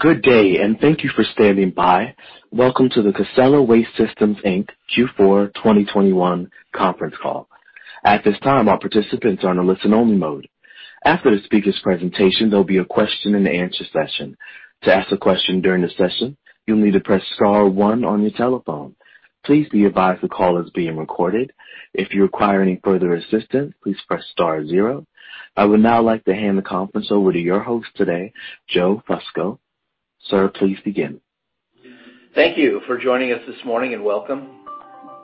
Good day, thank you for standing by. Welcome to the Casella Waste Systems, Inc. Q4 2021 conference call. At this time, our participants are on a listen only mode. After the speaker's presentation, there'll be a question and answer session. To ask a question during the session, you'll need to press star one on your telephone. Please be advised the call is being recorded. If you require any further assistance, please press star zero. I would now like to hand the conference over to your host today, Joe Fusco. Sir, please begin. Thank you for joining us this morning and welcome.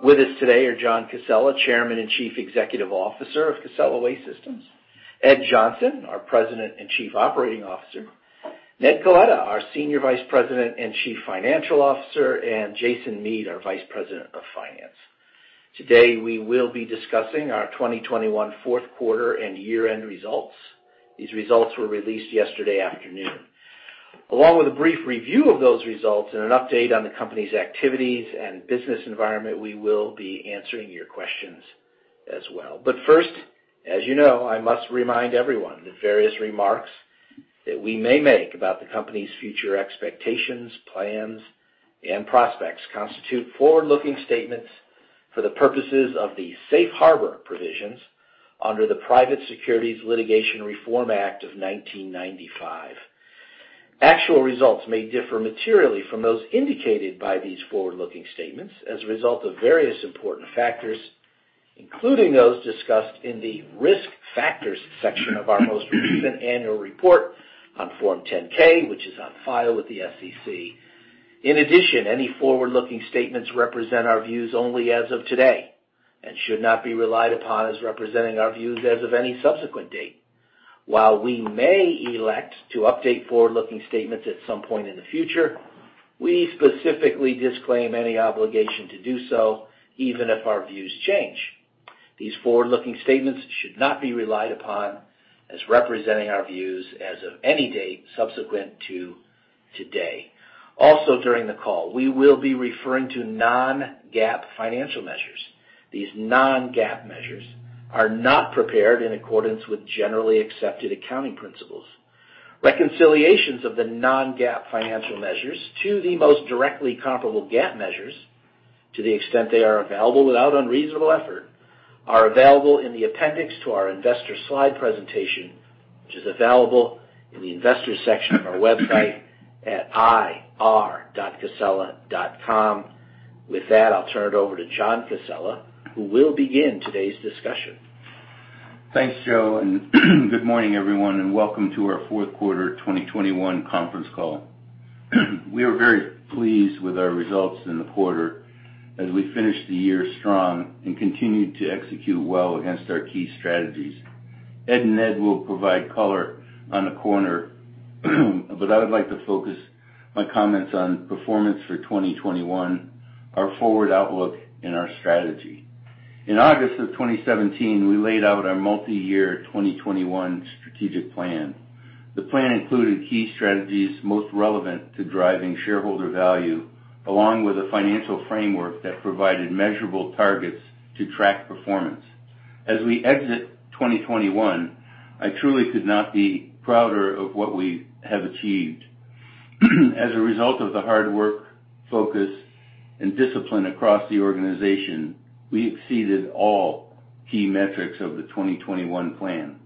With us today are John Casella, Chairman and Chief Executive Officer of Casella Waste Systems. Ed Johnson, our President and Chief Operating Officer. Ned Coletta, our Senior Vice President and Chief Financial Officer, and Jason Mead, our Vice President of Finance. Today we will be discussing our 2021 fourth quarter and year-end results. These results were released yesterday afternoon. Along with a brief review of those results and an update on the company's activities and business environment, we will be answering your questions as well. First, as you know, I must remind everyone that various remarks that we may make about the company's future expectations, plans, and prospects constitute forward-looking statements for the purposes of the safe harbor provisions under the Private Securities Litigation Reform Act of 1995. Actual results may differ materially from those indicated by these forward-looking statements as a result of various important factors, including those discussed in the risk factors section of our most recent annual report on Form 10-K, which is on file with the SEC. In addition, any forward-looking statements represent our views only as of today and should not be relied upon as representing our views as of any subsequent date. While we may elect to update forward-looking statements at some point in the future, we specifically disclaim any obligation to do so even if our views change. These forward-looking statements should not be relied upon as representing our views as of any date subsequent to today. Also, during the call, we will be referring to non-GAAP financial measures. These non-GAAP measures are not prepared in accordance with generally accepted accounting principles. Reconciliations of the non-GAAP financial measures to the most directly comparable GAAP measures to the extent they are available without unreasonable effort are available in the appendix to our investor slide presentation, which is available in the Investor Section of our website at ir.casella.com. With that, I'll turn it over to John Casella, who will begin today's discussion. Thanks, Joe, and good morning, everyone, and welcome to our fourth quarter 2021 conference call. We are very pleased with our results in the quarter as we finish the year strong and continued to execute well against our key strategies. Ed and Ned will provide color on the quarter, but I would like to focus my comments on performance for 2021, our forward outlook, and our strategy. In August of 2017, we laid out our multi-year 2021 strategic plan. The plan included key strategies most relevant to driving shareholder value, along with a financial framework that provided measurable targets to track performance. As we exit 2021, I truly could not be prouder of what we have achieved. As a result of the hard work, focus, and discipline across the organization, we exceeded all key metrics of the 2021 plan.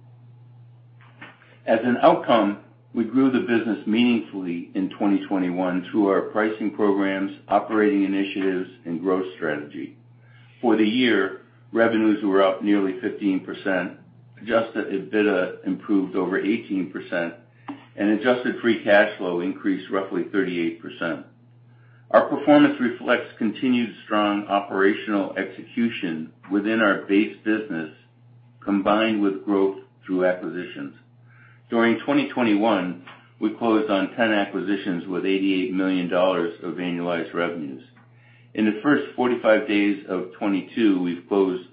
As an outcome, we grew the business meaningfully in 2021 through our pricing programs, operating initiatives, and growth strategy. For the year, revenues were up nearly 15%, adjusted EBITDA improved over 18%, and adjusted free cash flow increased roughly 38%. Our performance reflects continued strong operational execution within our base business, combined with growth through acquisitions. During 2021, we closed on 10 acquisitions with $88 million of annualized revenues. In the first 45 days of 2022, we've closed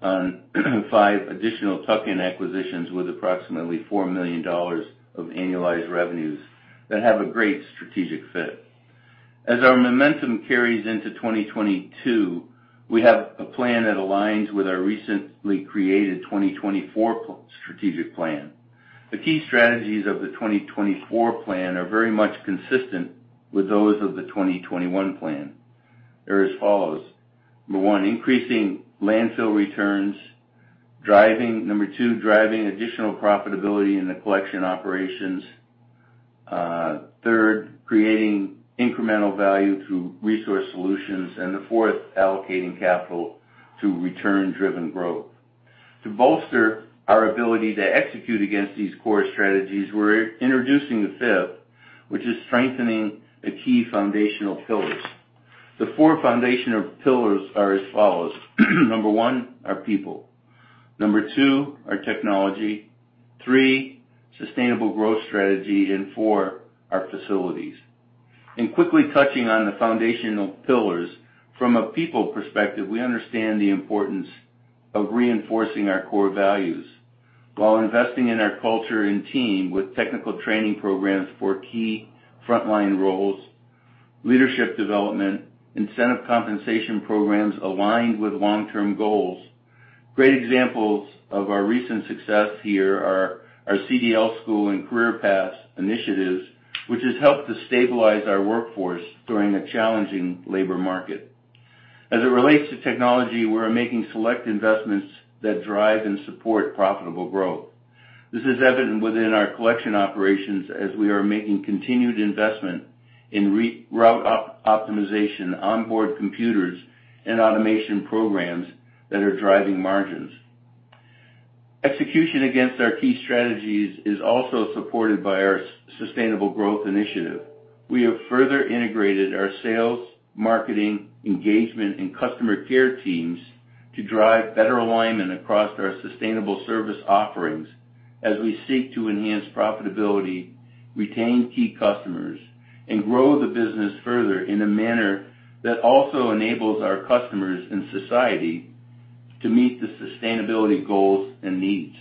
on five additional tuck-in acquisitions with approximately $4 million of annualized revenues that have a great strategic fit. As our momentum carries into 2022, we have a plan that aligns with our recently created 2024 strategic plan. The key strategies of the 2024 plan are very much consistent with those of the 2021 plan. They're as follows. Number one, increasing landfill returns. Driving. Number two, driving additional profitability in the collection operations. Third, creating incremental value through Resource Solutions, and fourth, allocating capital through return-driven growth. To bolster our ability to execute against these core strategies, we're introducing the 5th, which is strengthening the key foundational pillars. The four foundational pillars are as follows. Number one, our people. Number two, our technology. Three, sustainable growth strategy, and four, our facilities. In quickly touching on the foundational pillars from a people perspective, we understand the importance of reinforcing our core values while investing in our culture and team with technical training programs for key frontline roles. Leadership development, incentive compensation programs aligned with long-term goals. Great examples of our recent success here are our CDL school and career paths initiatives, which has helped to stabilize our workforce during a challenging labor market. As it relates to technology, we're making select investments that drive and support profitable growth. This is evident within our collection operations as we are making continued investment in reroute optimization, onboard computers, and automation programs that are driving margins. Execution against our key strategies is also supported by our sustainable growth initiative. We have further integrated our sales, marketing, engagement, and customer care teams to drive better alignment across our sustainable service offerings as we seek to enhance profitability, retain key customers, and grow the business further in a manner that also enables our customers and society to meet the sustainability goals and needs.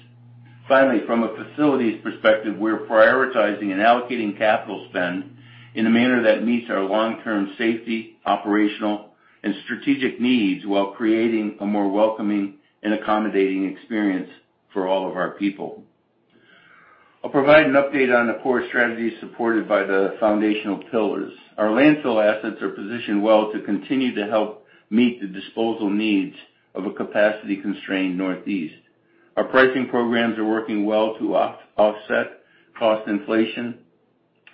Finally, from a facilities perspective, we're prioritizing and allocating capital spend in a manner that meets our long-term safety, operational, and strategic needs while creating a more welcoming and accommodating experience for all of our people. I'll provide an update on the core strategy supported by the foundational pillars. Our landfill assets are positioned well to continue to help meet the disposal needs of a capacity-constrained Northeast. Our pricing programs are working well to offset cost inflation,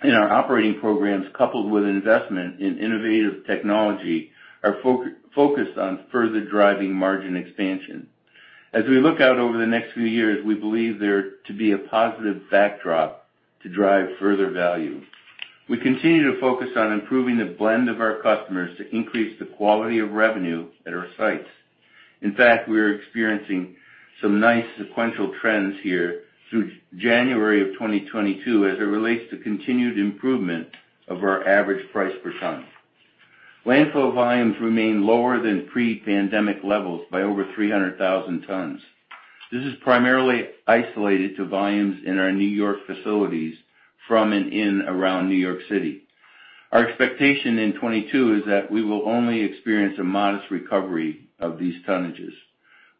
and our operating programs, coupled with investment in innovative technology, are focused on further driving margin expansion. As we look out over the next few years, we believe there to be a positive backdrop to drive further value. We continue to focus on improving the blend of our customers to increase the quality of revenue at our sites. In fact, we are experiencing some nice sequential trends here through January 2022 as it relates to continued improvement of our average price per ton. Landfill volumes remain lower than pre-pandemic levels by over 300,000 tons. This is primarily isolated to volumes in our New York facilities from and in around New York City. Our expectation in 2022 is that we will only experience a modest recovery of these tonnages.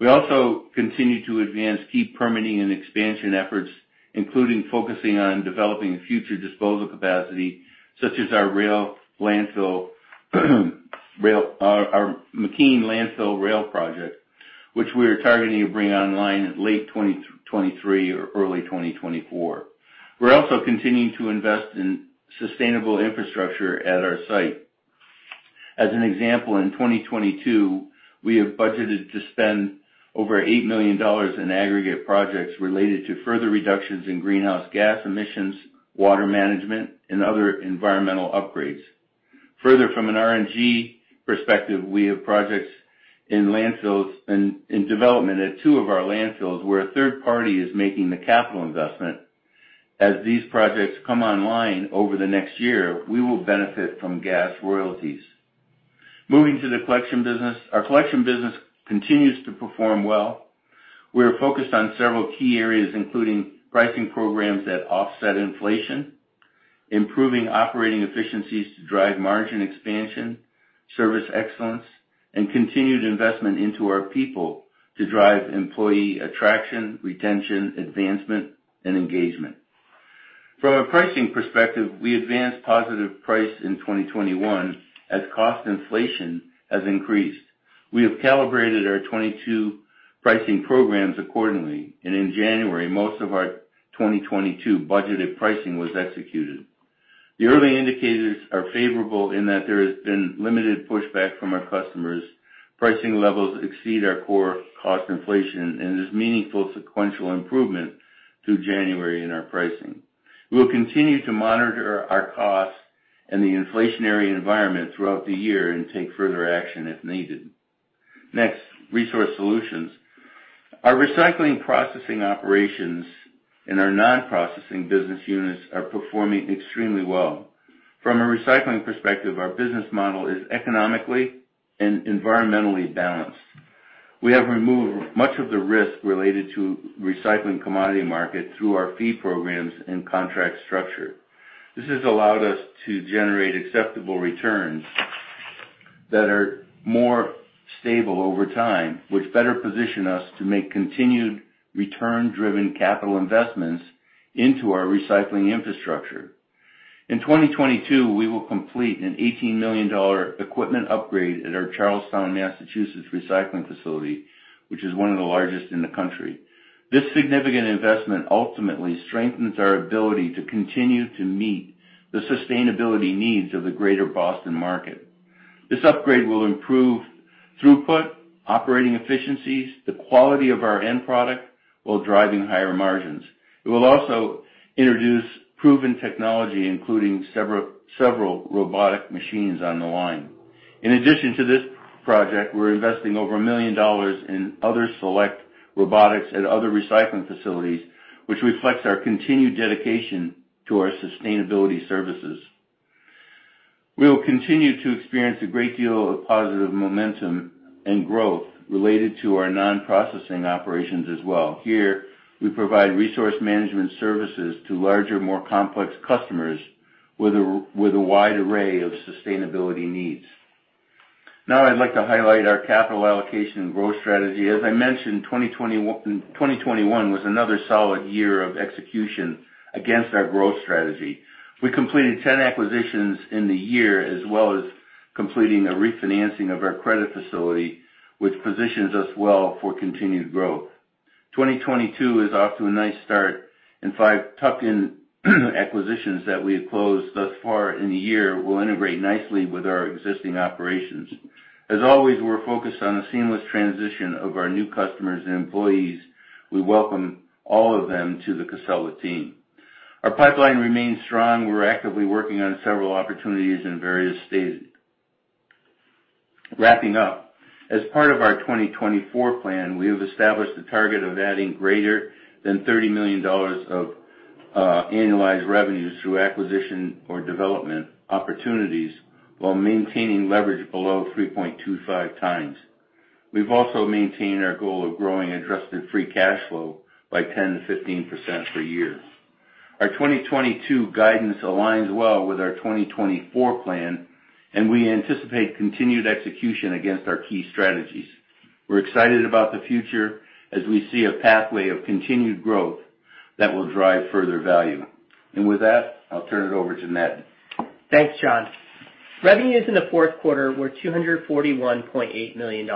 We also continue to advance key permitting and expansion efforts, including focusing on developing future disposal capacity, such as our rail landfill. Our McKean Landfill rail project, which we are targeting to bring online in late 2023 or early 2024. We are also continuing to invest in sustainable infrastructure at our site. As an example, in 2022, we have budgeted to spend over $8 million in aggregate projects related to further reductions in greenhouse gas emissions, water management, and other environmental upgrades. Further, from an RNG perspective, we have projects in landfills and in development at two of our landfills, where a third party is making the capital investment. As these projects come online over the next year, we will benefit from gas royalties. Moving to the collection business. Our collection business continues to perform well. We are focused on several key areas, including pricing programs that offset inflation, improving operating efficiencies to drive margin expansion, service excellence, and continued investment into our people to drive employee attraction, retention, advancement, and engagement. From a pricing perspective, we advanced positive price in 2021 as cost inflation has increased. We have calibrated our 2022 pricing programs accordingly, and in January, most of our 2022 budgeted pricing was executed. The early indicators are favorable in that there has been limited pushback from our customers. Pricing levels exceed our core cost inflation and is meaningful sequential improvement through January in our pricing. We will continue to monitor our costs and the inflationary environment throughout the year and take further action if needed. Next, Resource Solutions. Our recycling processing operations and our non-processing business units are performing extremely well. From a recycling perspective, our business model is economically and environmentally balanced. We have removed much of the risk related to recycling commodity market through our fee programs and contract structure. This has allowed us to generate acceptable returns that are more stable over time, which better position us to make continued return-driven capital investments into our recycling infrastructure. In 2022, we will complete an $18 million equipment upgrade at our Charlestown, Massachusetts, recycling facility, which is one of the largest in the country. This significant investment ultimately strengthens our ability to continue to meet the sustainability needs of the greater Boston market. This upgrade will improve throughput, operating efficiencies, the quality of our end product while driving higher margins. It will also introduce proven technology, including several robotic machines on the line. In addition to this project, we're investing over $1 million in other select robotics at other recycling facilities, which reflects our continued dedication to our sustainability services. We will continue to experience a great deal of positive momentum and growth related to our non-processing operations as well. Here, we provide resource management services to larger, more complex customers with a wide array of sustainability needs. Now I'd like to highlight our capital allocation and growth strategy. As I mentioned, 2021 was another solid year of execution against our growth strategy. We completed 10 acquisitions in the year, as well as completing a refinancing of our credit facility, which positions us well for continued growth. 2022 is off to a nice start, and five tuck-in acquisitions that we have closed thus far in the year will integrate nicely with our existing operations. As always, we're focused on the seamless transition of our new customers and employees. We welcome all of them to the Casella team. Our pipeline remains strong. We're actively working on several opportunities in various stages. Wrapping up, as part of our 2024 plan, we have established a target of adding greater than $30 million of annualized revenues through acquisition or development opportunities while maintaining leverage below 3.25x. We've also maintained our goal of growing adjusted free cash flow by 10%-15% per year. Our 2022 guidance aligns well with our 2024 plan, and we anticipate continued execution against our key strategies. We're excited about the future as we see a pathway of continued growth that will drive further value. With that, I'll turn it over to Ned. Thanks, John. Revenues in the fourth quarter were $241.8 million,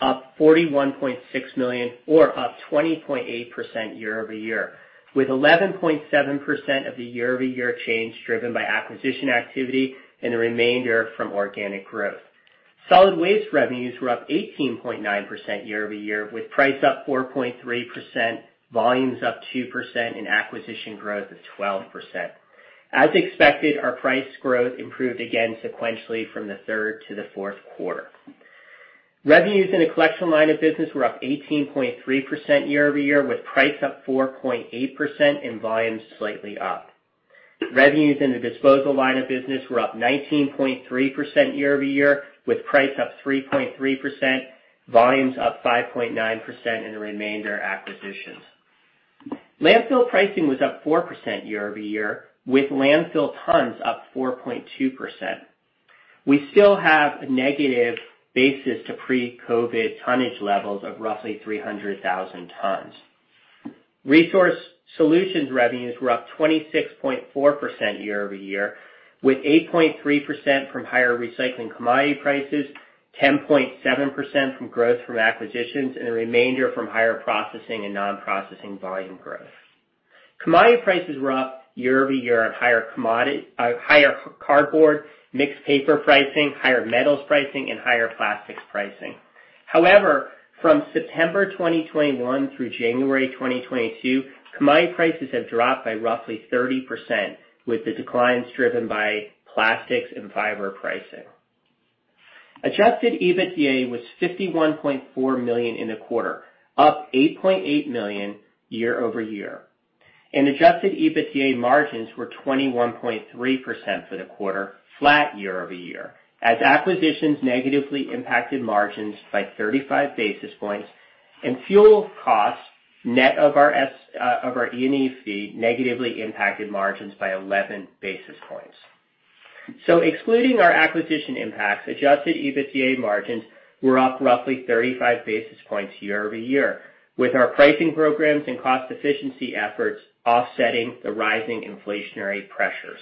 up $41.6 million or up 20.8% year-over-year, with 11.7% of the year-over-year change driven by acquisition activity and the remainder from organic growth. Solid waste revenues were up 18.9% year-over-year, with price up 4.3%, volumes up 2%, and acquisition growth of 12%. As expected, our price growth improved again sequentially from the third to the fourth quarter. Revenues in the collection line of business were up 18.3% year-over-year, with price up 4.8% and volumes slightly up. Revenues in the disposal line of business were up 19.3% year-over-year, with price up 3.3%, volumes up 5.9%, and the remainder acquisitions. Landfill pricing was up 4% year-over-year, with landfill tons up 4.2%. We still have a negative basis to pre-COVID tonnage levels of roughly 300,000 tons. Resource solutions revenues were up 26.4% year-over-year, with 8.3% from higher recycling commodity prices, 10.7% from growth from acquisitions, and the remainder from higher processing and non-processing volume growth. Commodity prices were up year-over-year on higher cardboard, mixed paper pricing, higher metals pricing, and higher plastics pricing. However, from September 2021 through January 2022, commodity prices have dropped by roughly 30%, with the declines driven by plastics and fiber pricing. Adjusted EBITDA was $51.4 million in the quarter, up $8.8 million year-over-year. Adjusted EBITDA margins were 21.3% for the quarter, flat year-over-year, as acquisitions negatively impacted margins by 35 basis points and fuel costs net of our E&E fee negatively impacted margins by 11 basis points. Excluding our acquisition impacts, adjusted EBITDA margins were up roughly 35 basis points year-over-year, with our pricing programs and cost efficiency efforts offsetting the rising inflationary pressures.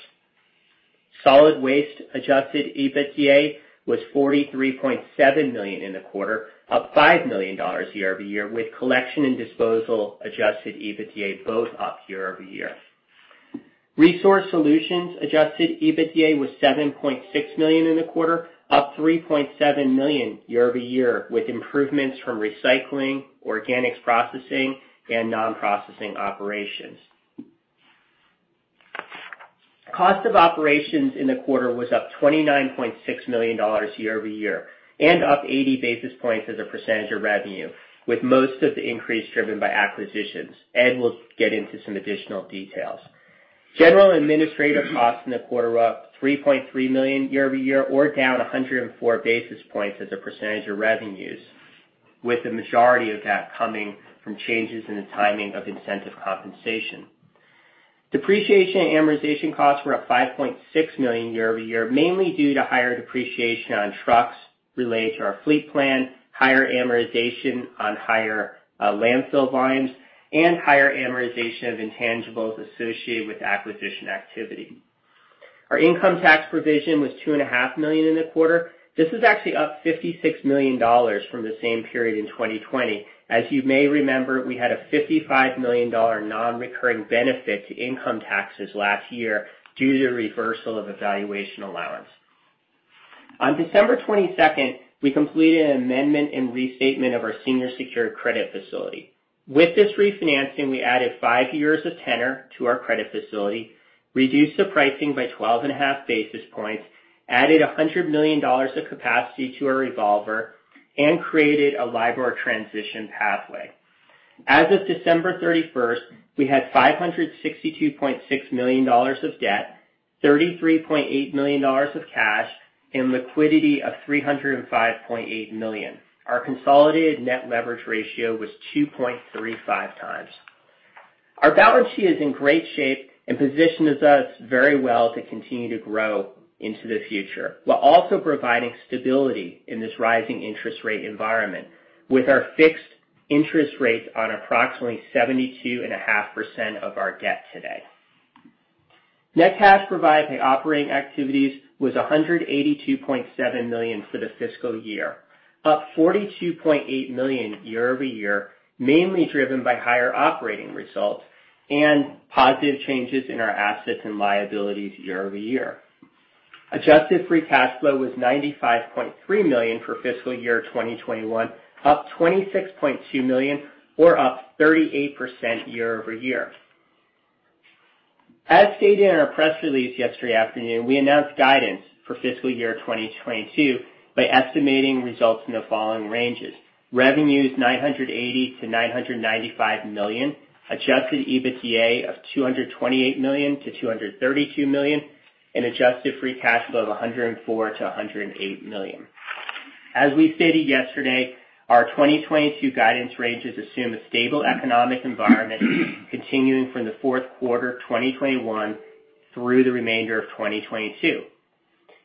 Solid waste adjusted EBITDA was $43.7 million in the quarter, up $5 million year-over-year, with collection and disposal adjusted EBITDA both up year-over-year. Resource Solutions adjusted EBITDA was $7.6 million in the quarter, up $3.7 million year-over-year, with improvements from recycling, organics processing, and non-processing operations. Cost of operations in the quarter was up $29.6 million year-over-year and up 80 basis points as a percentage of revenue, with most of the increase driven by acquisitions, and we'll get into some additional details. General and administrative costs in the quarter were up $3.3 million year-over-year or down 104 basis points as a percentage of revenues, with the majority of that coming from changes in the timing of incentive compensation. Depreciation and amortization costs were up $5.6 million year-over-year, mainly due to higher depreciation on trucks related to our fleet plan, higher amortization on higher landfill volumes, and higher amortization of intangibles associated with acquisition activity. Our income tax provision was $2.5 million in the quarter. This is actually up $56 million from the same period in 2020. As you may remember, we had a $55 million non-recurring benefit to income taxes last year due to the reversal of a valuation allowance. On December 22nd, we completed an amendment and restatement of our senior secured credit facility. With this refinancing, we added five years of tenor to our credit facility, reduced the pricing by 12.5 basis points, added $100 million of capacity to our revolver, and created a LIBOR transition pathway. As of December 31st, we had $562.6 million of debt, $33.8 million of cash, and liquidity of $305.8 million. Our consolidated net leverage ratio was 2.35x. Our balance sheet is in great shape and positions us very well to continue to grow into the future, while also providing stability in this rising interest rate environment with our fixed interest rates on approximately 72.5% of our debt today. Net cash provided by operating activities was $182.7 million for the fiscal year, up $42.8 million year-over-year, mainly driven by higher operating results and positive changes in our assets and liabilities year-over-year. Adjusted free cash flow was $95.3 million for fiscal year 2021, up $26.2 million or up 38% year-over-year. As stated in our press release yesterday afternoon, we announced guidance for fiscal year 2022 by estimating results in the following ranges. Revenues $980 million-$995 million, adjusted EBITDA of $228 million-$232 million, and adjusted free cash flow of $104 million-$108 million. As we stated yesterday, our 2022 guidance ranges assume a stable economic environment continuing from the fourth quarter of 2021 through the remainder of 2022.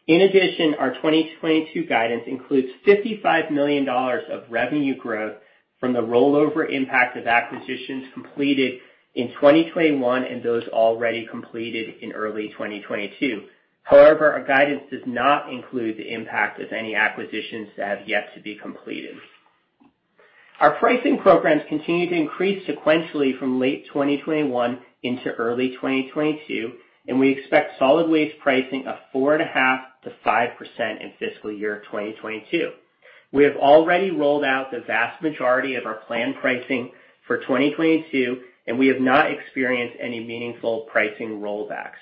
In addition, our 2022 guidance includes $55 million of revenue growth from the rollover impact of acquisitions completed in 2021 and those already completed in early 2022. However, our guidance does not include the impact of any acquisitions that have yet to be completed. Our pricing programs continued to increase sequentially from late 2021 into early 2022, and we expect solid waste pricing of 4.5%-5% in fiscal year 2022. We have already rolled out the vast majority of our planned pricing for 2022, and we have not experienced any meaningful pricing rollbacks.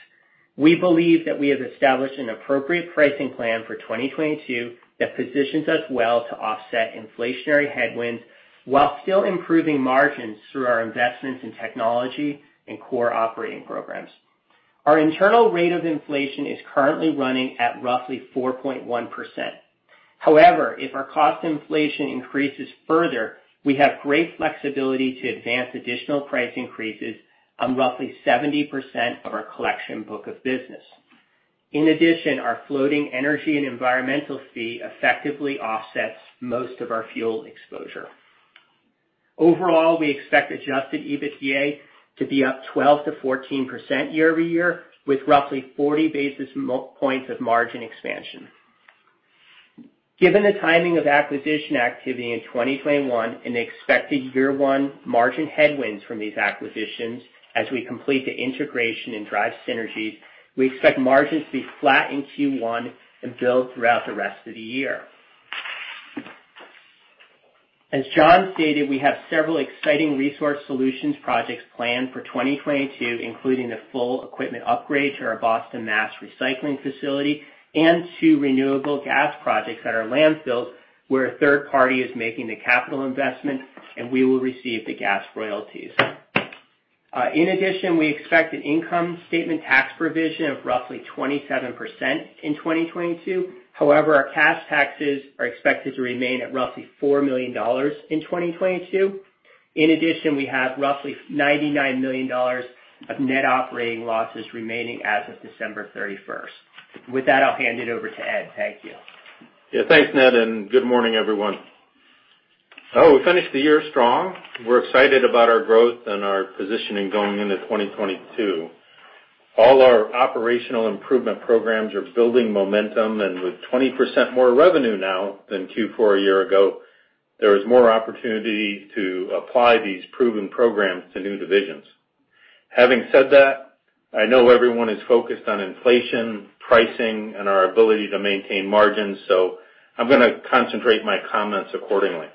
We believe that we have established an appropriate pricing plan for 2022 that positions us well to offset inflationary headwinds while still improving margins through our investments in technology and core operating programs. Our internal rate of inflation is currently running at roughly 4.1%. However, if our cost inflation increases further, we have great flexibility to advance additional price increases on roughly 70% of our collection book of business. In addition, our floating energy and environmental fee effectively offsets most of our fuel exposure. Overall, we expect adjusted EBITDA to be up 12%-14% year-over-year, with roughly 40 basis points of margin expansion. Given the timing of acquisition activity in 2021 and the expected year one margin headwinds from these acquisitions as we complete the integration and drive synergies, we expect margins to be flat in Q1 and build throughout the rest of the year. As John stated, we have several exciting Resource Solutions projects planned for 2022, including the full equipment upgrade to our Boston, Ma recycling facility and two renewable gas projects at our landfills, where a third party is making the capital investment and we will receive the gas royalties. In addition, we expect an income statement tax provision of roughly 27% in 2022. However, our cash taxes are expected to remain at roughly $4 million in 2022. In addition, we have roughly $99 million of net operating losses remaining as of December 31st. With that, I'll hand it over to Ed. Thank you. Yeah. Thanks, Ned, and good morning, everyone. We finished the year strong. We're excited about our growth and our positioning going into 2022. All our operational improvement programs are building momentum. With 20% more revenue now than Q4 a year ago, there is more opportunity to apply these proven programs to new divisions. Having said that, I know everyone is focused on inflation, pricing, and our ability to maintain margins, so I'm gonna concentrate my comments accordingly.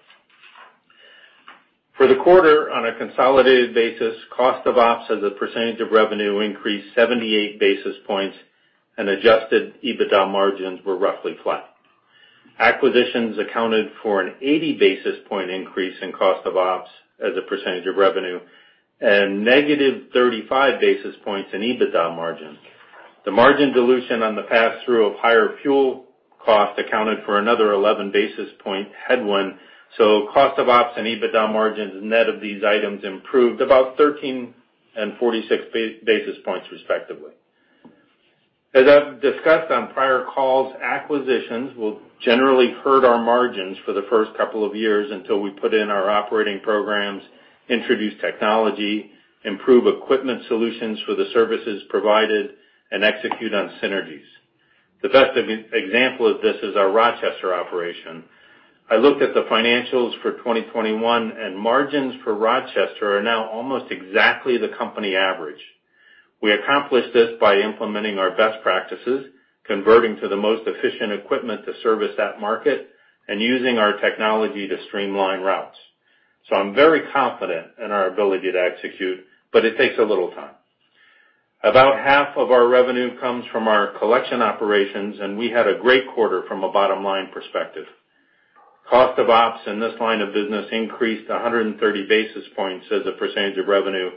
For the quarter, on a consolidated basis, cost of ops as a percentage of revenue increased 78 basis points and adjusted EBITDA margins were roughly flat. Acquisitions accounted for an 80 basis point increase in cost of ops as a percentage of revenue and a -35 basis points in EBITDA margins. The margin dilution on the pass-through of higher fuel cost accounted for another 11 basis points headwind, so cost of ops and EBITDA margins net of these items improved about 13% and 46 basis points, respectively. As I've discussed on prior calls, acquisitions will generally hurt our margins for the first couple of years until we put in our operating programs, introduce technology, improve equipment solutions for the services provided, and execute on synergies. The best example of this is our Rochester operation. I looked at the financials for 2021, and margins for Rochester are now almost exactly the company average. We accomplished this by implementing our best practices, converting to the most efficient equipment to service that market, and using our technology to streamline routes. I'm very confident in our ability to execute, but it takes a little time. About half of our revenue comes from our collection operations, and we had a great quarter from a bottom-line perspective. Cost of ops in this line of business increased 130 basis points as a percentage of revenue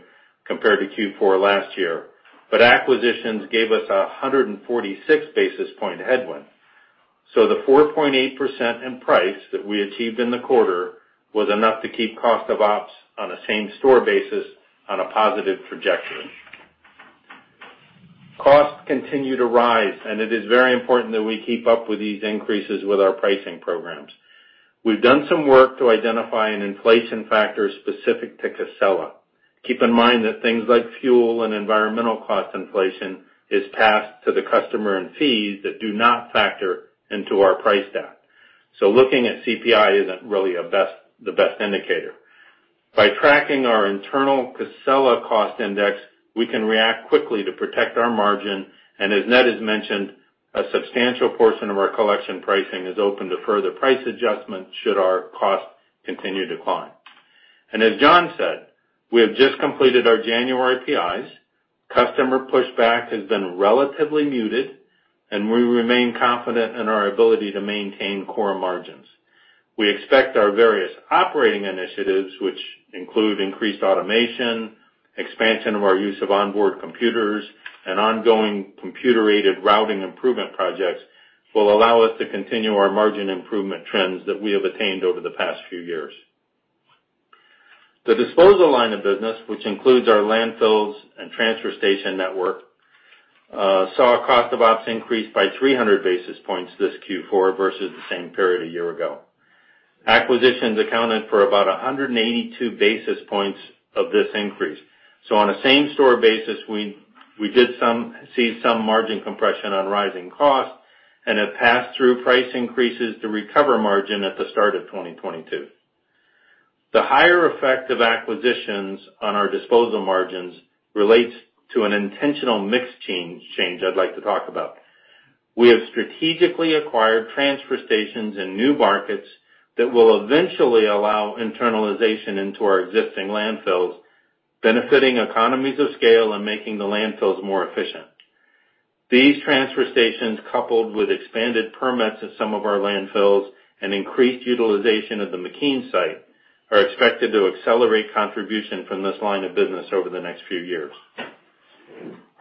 compared to Q4 last year, but acquisitions gave us a 146 basis point headwind. The 4.8% in price that we achieved in the quarter was enough to keep cost of ops on a same-store basis on a positive trajectory. Costs continue to rise, and it is very important that we keep up with these increases with our pricing programs. We've done some work to identify an inflation factor specific to Casella. Keep in mind that things like fuel and environmental cost inflation is passed to the customer in fees that do not factor into our price stat. Looking at CPI isn't really the best indicator. By tracking our internal Casella cost index, we can react quickly to protect our margin. As Ned has mentioned, a substantial portion of our collection pricing is open to further price adjustments should our costs continue to climb. As John said, we have just completed our January APIs. Customer pushback has been relatively muted, and we remain confident in our ability to maintain core margins. We expect our various operating initiatives, which include increased automation, expansion of our use of onboard computers, and ongoing computer-aided routing improvement projects, will allow us to continue our margin improvement trends that we have attained over the past few years. The disposal line of business, which includes our landfills and transfer station network, saw our cost of ops increase by 300 basis points this Q4 versus the same period a year ago. Acquisitions accounted for about 182 basis points of this increase. On a same-store basis, we see some margin compression on rising costs and have passed through price increases to recover margin at the start of 2022. The higher effect of acquisitions on our disposal margins relates to an intentional mix change I'd like to talk about. We have strategically acquired transfer stations in new markets that will eventually allow internalization into our existing landfills, benefiting economies of scale and making the landfills more efficient. These transfer stations, coupled with expanded permits at some of our landfills and increased utilization of the McKean site, are expected to accelerate contribution from this line of business over the next few years.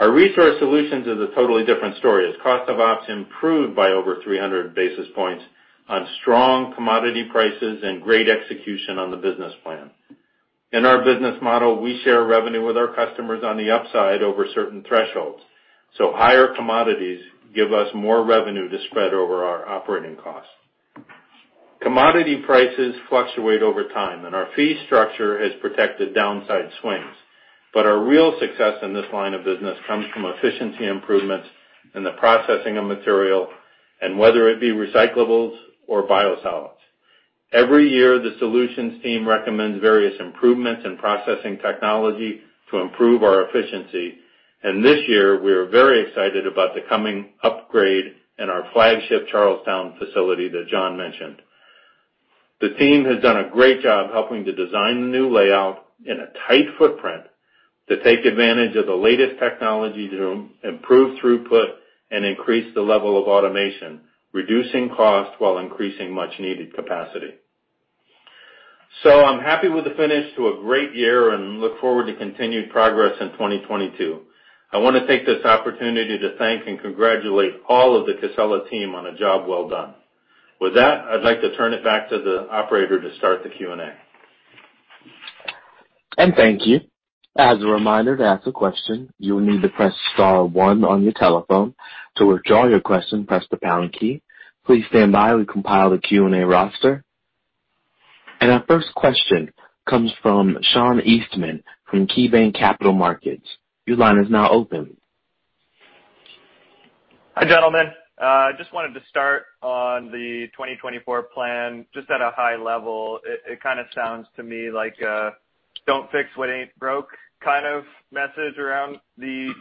Our Resource Solutions is a totally different story as cost of ops improved by over 300 basis points on strong commodity prices and great execution on the business plan. In our business model, we share revenue with our customers on the upside over certain thresholds, so higher commodities give us more revenue to spread over our operating costs. Commodity prices fluctuate over time, and our fee structure has protected downside swings. Our real success in this line of business comes from efficiency improvements in the processing of material and whether it be recyclables or biosolids. Every year, the Solutions team recommends various improvements in processing technology to improve our efficiency. This year, we are very excited about the coming upgrade in our flagship Charlestown facility that John mentioned. The team has done a great job helping to design the new layout in a tight footprint to take advantage of the latest technology to improve throughput and increase the level of automation, reducing cost while increasing much-needed capacity. I'm happy with the finish to a great year and look forward to continued progress in 2022. I wanna take this opportunity to thank and congratulate all of the Casella team on a job well done. With that, I'd like to turn it back to the operator to start the Q&A. Thank you. As a reminder, to ask a question, you will need to press star one on your telephone. To withdraw your question, press the pound key. Please stand by. We compile the Q&A roster. Our first question comes from Sean Eastman from KeyBanc Capital Markets. Your line is now open. Hi, gentlemen. I just wanted to start on the 2024 plan just at a high level. It kinda sounds to me like don't fix what ain't broke kind of message around the,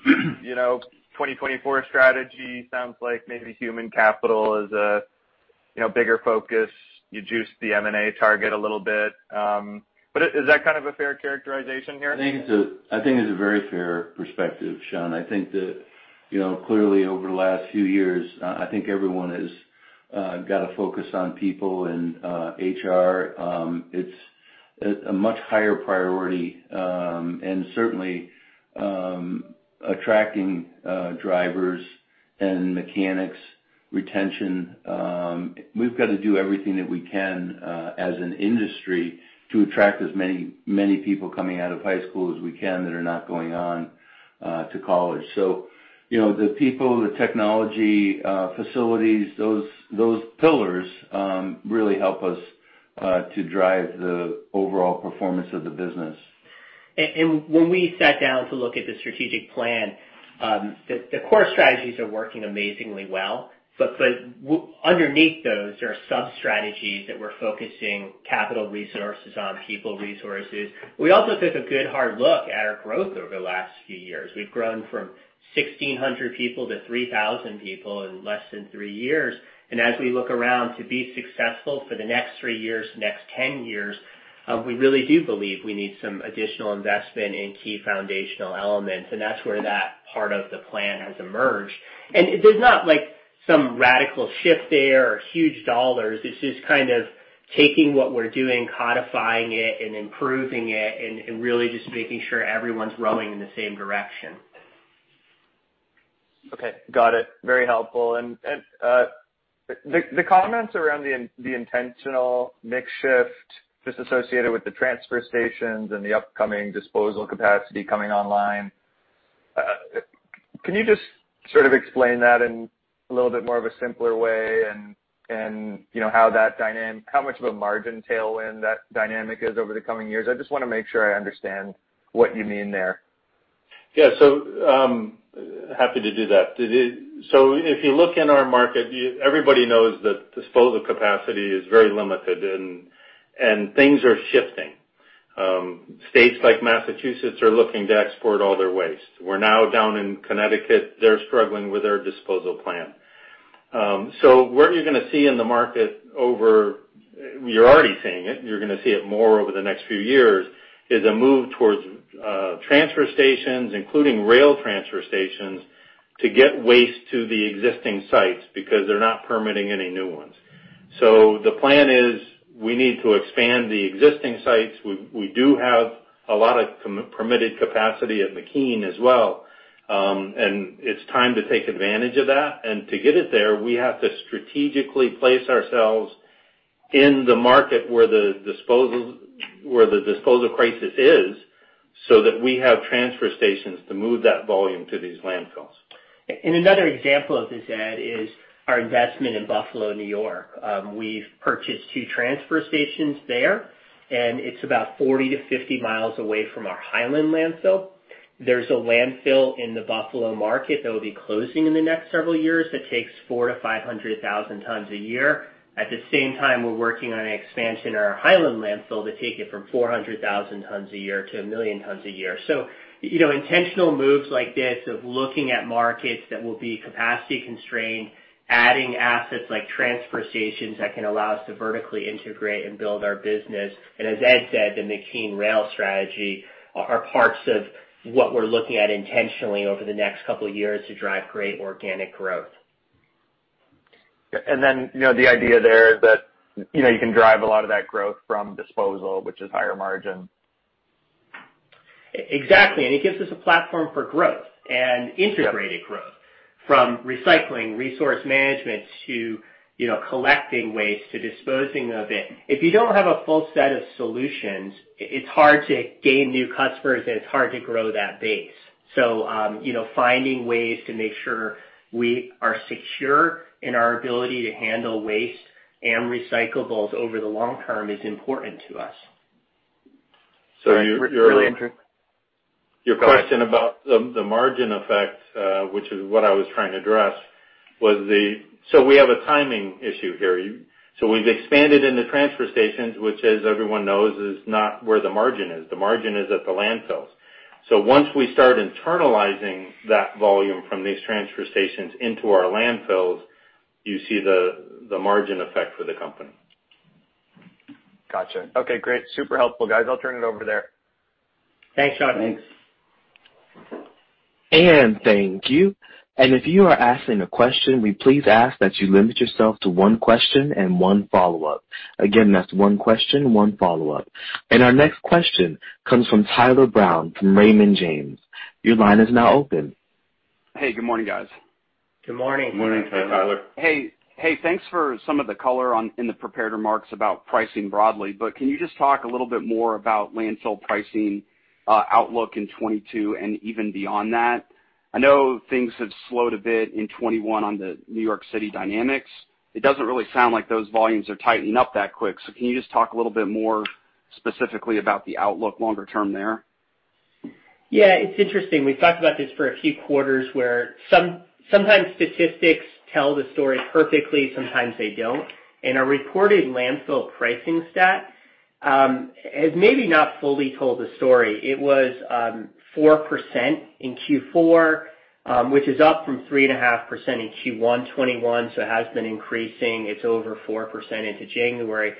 you know, 2024 strategy. Sounds like maybe human capital is a, you know, bigger focus. You juiced the M&A target a little bit. But is that kind of a fair characterization here? I think it's a very fair perspective, Sean. I think that, you know, clearly over the last few years, I think everyone has got a focus on people and HR. It's a much higher priority, and certainly attracting drivers and mechanics retention. We've got to do everything that we can as an industry to attract as many people coming out of high school as we can that are not going on to college. You know, the people, the technology, facilities, those pillars really help us to drive the overall performance of the business. When we sat down to look at the strategic plan, the core strategies are working amazingly well. Underneath those, there are sub-strategies that we're focusing capital resources on people resources. We also took a good hard look at our growth over the last few years. We've grown from 1,600 people to 3,000 people in less than three years. As we look around to be successful for the next three years, next 10 years, we really do believe we need some additional investment in key foundational elements, and that's where that part of the plan has emerged. There's not like some radical shift there or huge dollars. It's just kind of taking what we're doing, codifying it, and improving it and really just making sure everyone's rowing in the same direction. Okay. Got it. Very helpful. The comments around the intentional mix shift just associated with the transfer stations and the upcoming disposal capacity coming online, can you just sort of explain that in a little bit more of a simpler way and you know how much of a margin tailwind that dynamic is over the coming years? I just wanna make sure I understand what you mean there. Yeah. Happy to do that. If you look in our market, everybody knows that disposal capacity is very limited and things are shifting. States like Massachusetts are looking to export all their waste. We're now down in Connecticut, they're struggling with their disposal plan. What are you gonna see in the market over the next few years, you're already seeing it, you're gonna see it more over the next few years, is a move towards transfer stations, including rail transfer stations, to get waste to the existing sites because they're not permitting any new ones. The plan is we need to expand the existing sites. We do have a lot of permitted capacity at McKean as well, and it's time to take advantage of that. To get it there, we have to strategically place ourselves in the market where the disposal crisis is, so that we have transfer stations to move that volume to these landfills. Another example of this, Ed, is our investment in Buffalo, New York. We've purchased two transfer stations there, and it's about 40 mi-50 mi away from our Hyland landfill. There's a landfill in the Buffalo market that will be closing in the next several years that takes 400,000 tons-500,000 tons a year. At the same time, we're working on an expansion on our Hyland landfill to take it from 400,000 tons a year to 1 million tons a year. You know, intentional moves like this of looking at markets that will be capacity constrained, adding assets like transfer stations that can allow us to vertically integrate and build our business, and as Ed said, the McKean rail strategy are parts of what we're looking at intentionally over the next couple of years to drive great organic growth. You know, the idea there that, you know, you can drive a lot of that growth from disposal, which is higher margin. Exactly. It gives us a platform for growth and integrated growth, from recycling, resource management to, you know, collecting waste, to disposing of it. If you don't have a full set of solutions, it's hard to gain new customers, and it's hard to grow that base. You know, finding ways to make sure we are secure in our ability to handle waste and recyclables over the long term is important to us. Your question about the margin effect, which is what I was trying to address, was the timing issue here. We've expanded in the transfer stations, which as everyone knows, is not where the margin is. The margin is at the landfills. Once we start internalizing that volume from these transfer stations into our landfills, you see the margin effect for the company. Gotcha. Okay, great. Super helpful, guys. I'll turn it over there. Thanks, Sean. Thanks. Thank you. If you are asking a question, we please ask that you limit yourself to one question and one follow-up. Again, that's one question, one follow-up. Our next question comes from Tyler Brown from Raymond James. Your line is now open. Hey, good morning, guys. Good morning. Good morning, Tyler. Hey. Hey, thanks for some of the color in the prepared remarks about pricing broadly, but can you just talk a little bit more about landfill pricing, outlook in 2022 and even beyond that? I know things have slowed a bit in 2021 on the New York City dynamics. It doesn't really sound like those volumes are tightening up that quick. Can you just talk a little bit more specifically about the outlook longer term there? Yeah, it's interesting. We've talked about this for a few quarters where sometimes statistics tell the story perfectly, sometimes they don't. In a reported landfill pricing stat has maybe not fully told the story. It was 4% in Q4, which is up from 3.5% in Q1 2021, so it has been increasing. It's over 4% into January.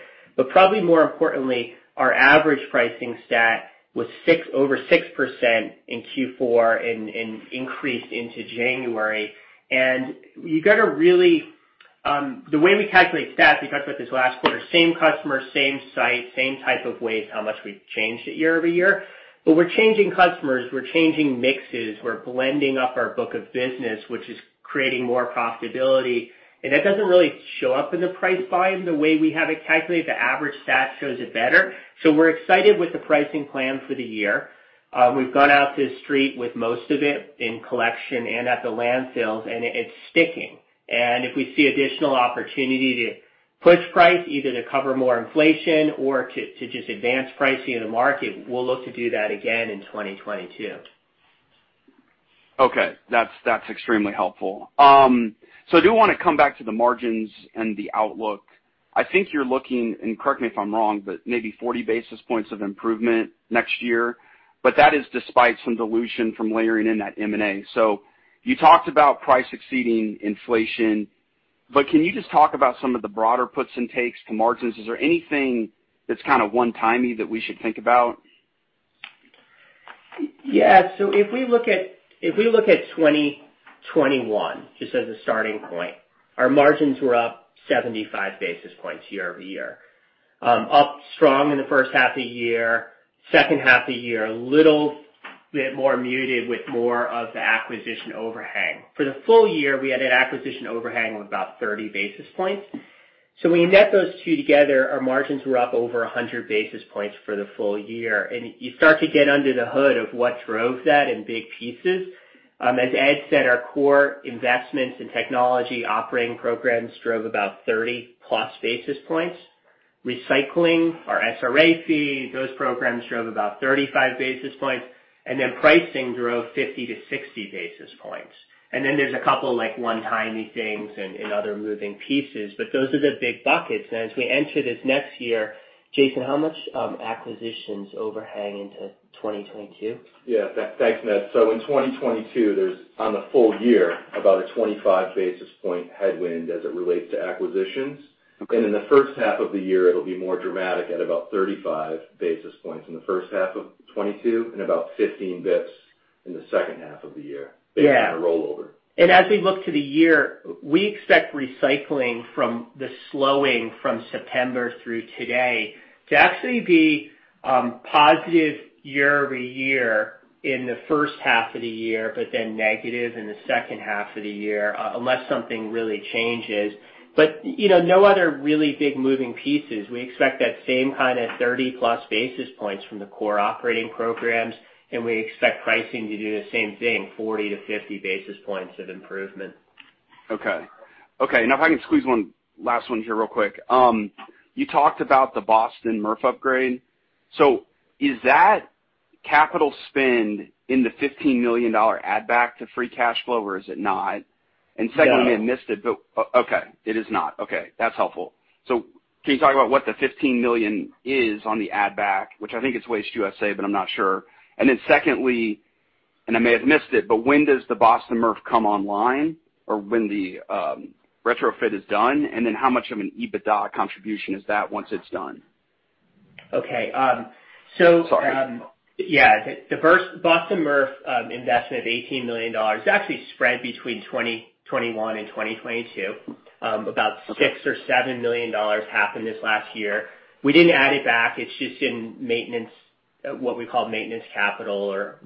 Probably more importantly, our average pricing stat was over 6% in Q4 and increased into January. You gotta really the way we calculate stats, we talked about this last quarter, same customer, same site, same type of waste, how much we've changed it year-over-year. We're changing customers, we're changing mixes, we're blending up our book of business, which is creating more profitability. That doesn't really show up in the price volume the way we have it calculated. The average stat shows it better. We're excited with the pricing plan for the year. We've gone out to the street with most of it in collection and at the landfills, and it's sticking. If we see additional opportunity to push price, either to cover more inflation or to just advance pricing in the market, we'll look to do that again in 2022. Okay. That's extremely helpful. I do wanna come back to the margins and the outlook. I think you're looking, and correct me if I'm wrong, but maybe 40 basis points of improvement next year, but that is despite some dilution from layering in that M&A. You talked about price exceeding inflation, but can you just talk about some of the broader puts and takes to margins? Is there anything that's kinda one-timey that we should think about? Yeah. If we look at 2021, just as a starting point. Our margins were up 75 basis points year-over-year. Up strong in the first half of the year, second half of the year a little bit more muted with more of the acquisition overhang. For the full year, we had an acquisition overhang of about 30 basis points. When you net those two together, our margins were up over 100 basis points for the full year. You start to get under the hood of what drove that in big pieces. As Ed said, our core investments in technology operating programs drove about 30+ basis points. Recycling, our SRA fee, those programs drove about 35 basis points, and then pricing drove 50 basis points-60 basis points. Then there's a couple, like, one-timey things and other moving pieces. Those are the big buckets. As we enter this next year, Jason, how much acquisitions overhang into 2022? Yeah. Thanks, Ned. In 2022, there's, on the full year, about a 25 basis point headwind as it relates to acquisitions. Okay. In the first half of the year, it'll be more dramatic at about 35 basis points in the first half of 2022 and about 15 basis points in the second half of the year. Yeah. Based on a rollover. As we look to the year, we expect recycling from the slowing from September through today to actually be positive year-over-year in the first half of the year, but then negative in the second half of the year, unless something really changes. You know, no other really big moving pieces. We expect that same kind of 30+ basis points from the core operating programs, and we expect pricing to do the same thing, 40 basis points-50 basis points of improvement. Okay, now if I can squeeze one last one here real quick. You talked about the Boston MRF upgrade. Is that capital spend in the $15 million add back to free cash flow, or is it not? No. Secondly, I missed it, but okay, it is not. Okay. That's helpful. Can you talk about what the $15 million is on the add back, which I think is WasteUSA, but I'm not sure. Secondly, I may have missed it, but when does the Boston MRF come online or when the retrofit is done? How much of an EBITDA contribution is that once it's done? Okay. Sorry. Yeah. The first Boston MRF investment of $18 million is actually spread between 2021 and 2022. About $6 million-$7 million happened this last year. We didn't add it back. It's just in maintenance, what we call maintenance capital or,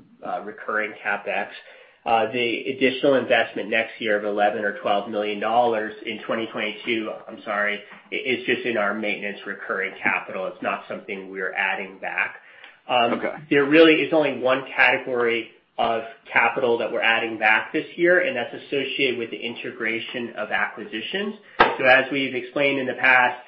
recurring CapEx. The additional investment next year of $11 million-$12 million in 2022, I'm sorry, is just in our maintenance recurring capital. It's not something we're adding back. Okay. There really is only one category of capital that we're adding back this year, and that's associated with the integration of acquisitions. As we've explained in the past,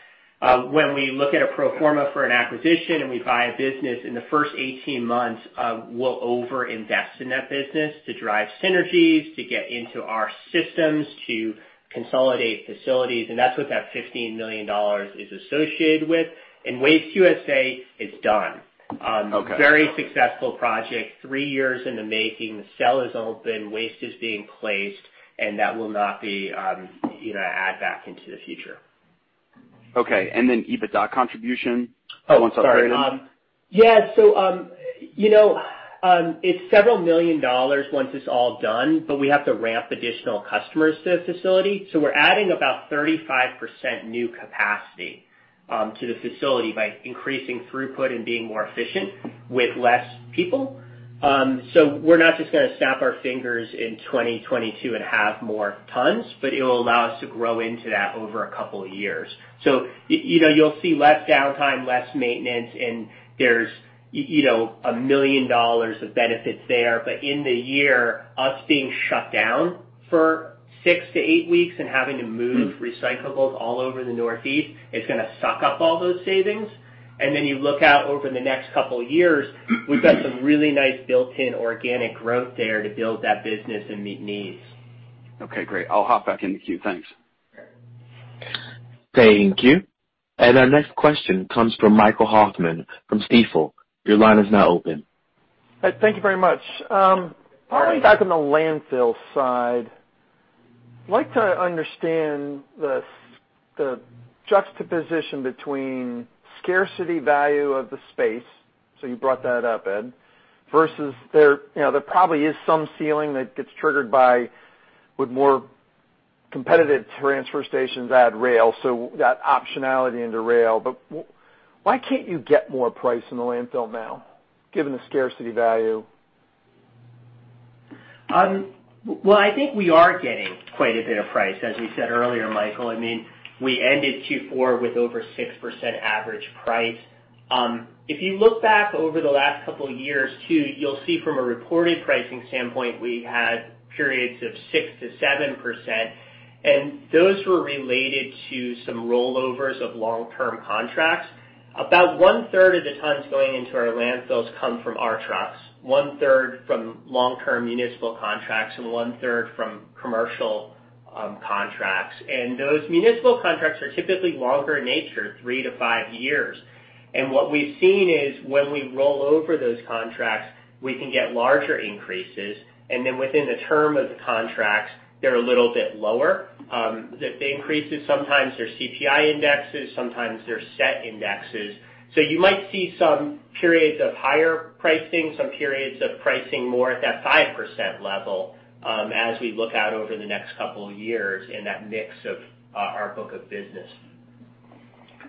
when we look at a pro forma for an acquisition and we buy a business, in the first 18 months, we'll over-invest in that business to drive synergies, to get into our systems, to consolidate facilities, and that's what that $15 million is associated with. In WasteUSA, it's done. Okay. Very successful project, three years in the making. The cell is open. Waste is being placed, and that will not be, you know, added back into the future. Okay. EBITDA contribution. Oh, sorry. Once upgraded. Yeah. You know, it's several million dollars once it's all done, but we have to ramp additional customers to the facility. We're adding about 35% new capacity to the facility by increasing throughput and being more efficient with less people. We're not just gonna snap our fingers in 2022 and have more tons, but it will allow us to grow into that over a couple of years. You know, you'll see less downtime, less maintenance, and there's, you know, $1 million of benefits there. In the year, us being shut down for six to eight weeks and having to move recyclables all over the Northeast, it's gonna suck up all those savings. You look out over the next couple years, we've got some really nice built-in organic growth there to build that business and meet needs. Okay, great. I'll hop back in the queue. Thanks. Sure. Thank you. Our next question comes from Michael Hoffman from Stifel. Your line is now open. Hi. Thank you very much. Probably back on the landfill side, I'd like to understand the juxtaposition between scarcity value of the space, so you brought that up, Ed, versus there, you know, there probably is some ceiling that gets triggered by with more competitive transfer stations at rail, so that optionality into rail. Why can't you get more price in the landfill now, given the scarcity value? Well, I think we are getting quite a bit of price, as we said earlier, Michael. I mean, we ended Q4 with over 6% average price. If you look back over the last couple years too, you'll see from a reported pricing standpoint, we had periods of 6%-7%, and those were related to some rollovers of long-term contracts. About 1/3 of the tons going into our landfills come from our trucks, 1/3 from long-term municipal contracts, and 1/3 from commercial contracts. Those municipal contracts are typically longer in nature, three to five years. What we've seen is when we roll over those contracts, we can get larger increases, and then within the term of the contracts, they're a little bit lower. The increases, sometimes they're CPI indexes, sometimes they're set indexes. You might see some periods of higher pricing, some periods of pricing more at that 5% level, as we look out over the next couple of years in that mix of our book of business.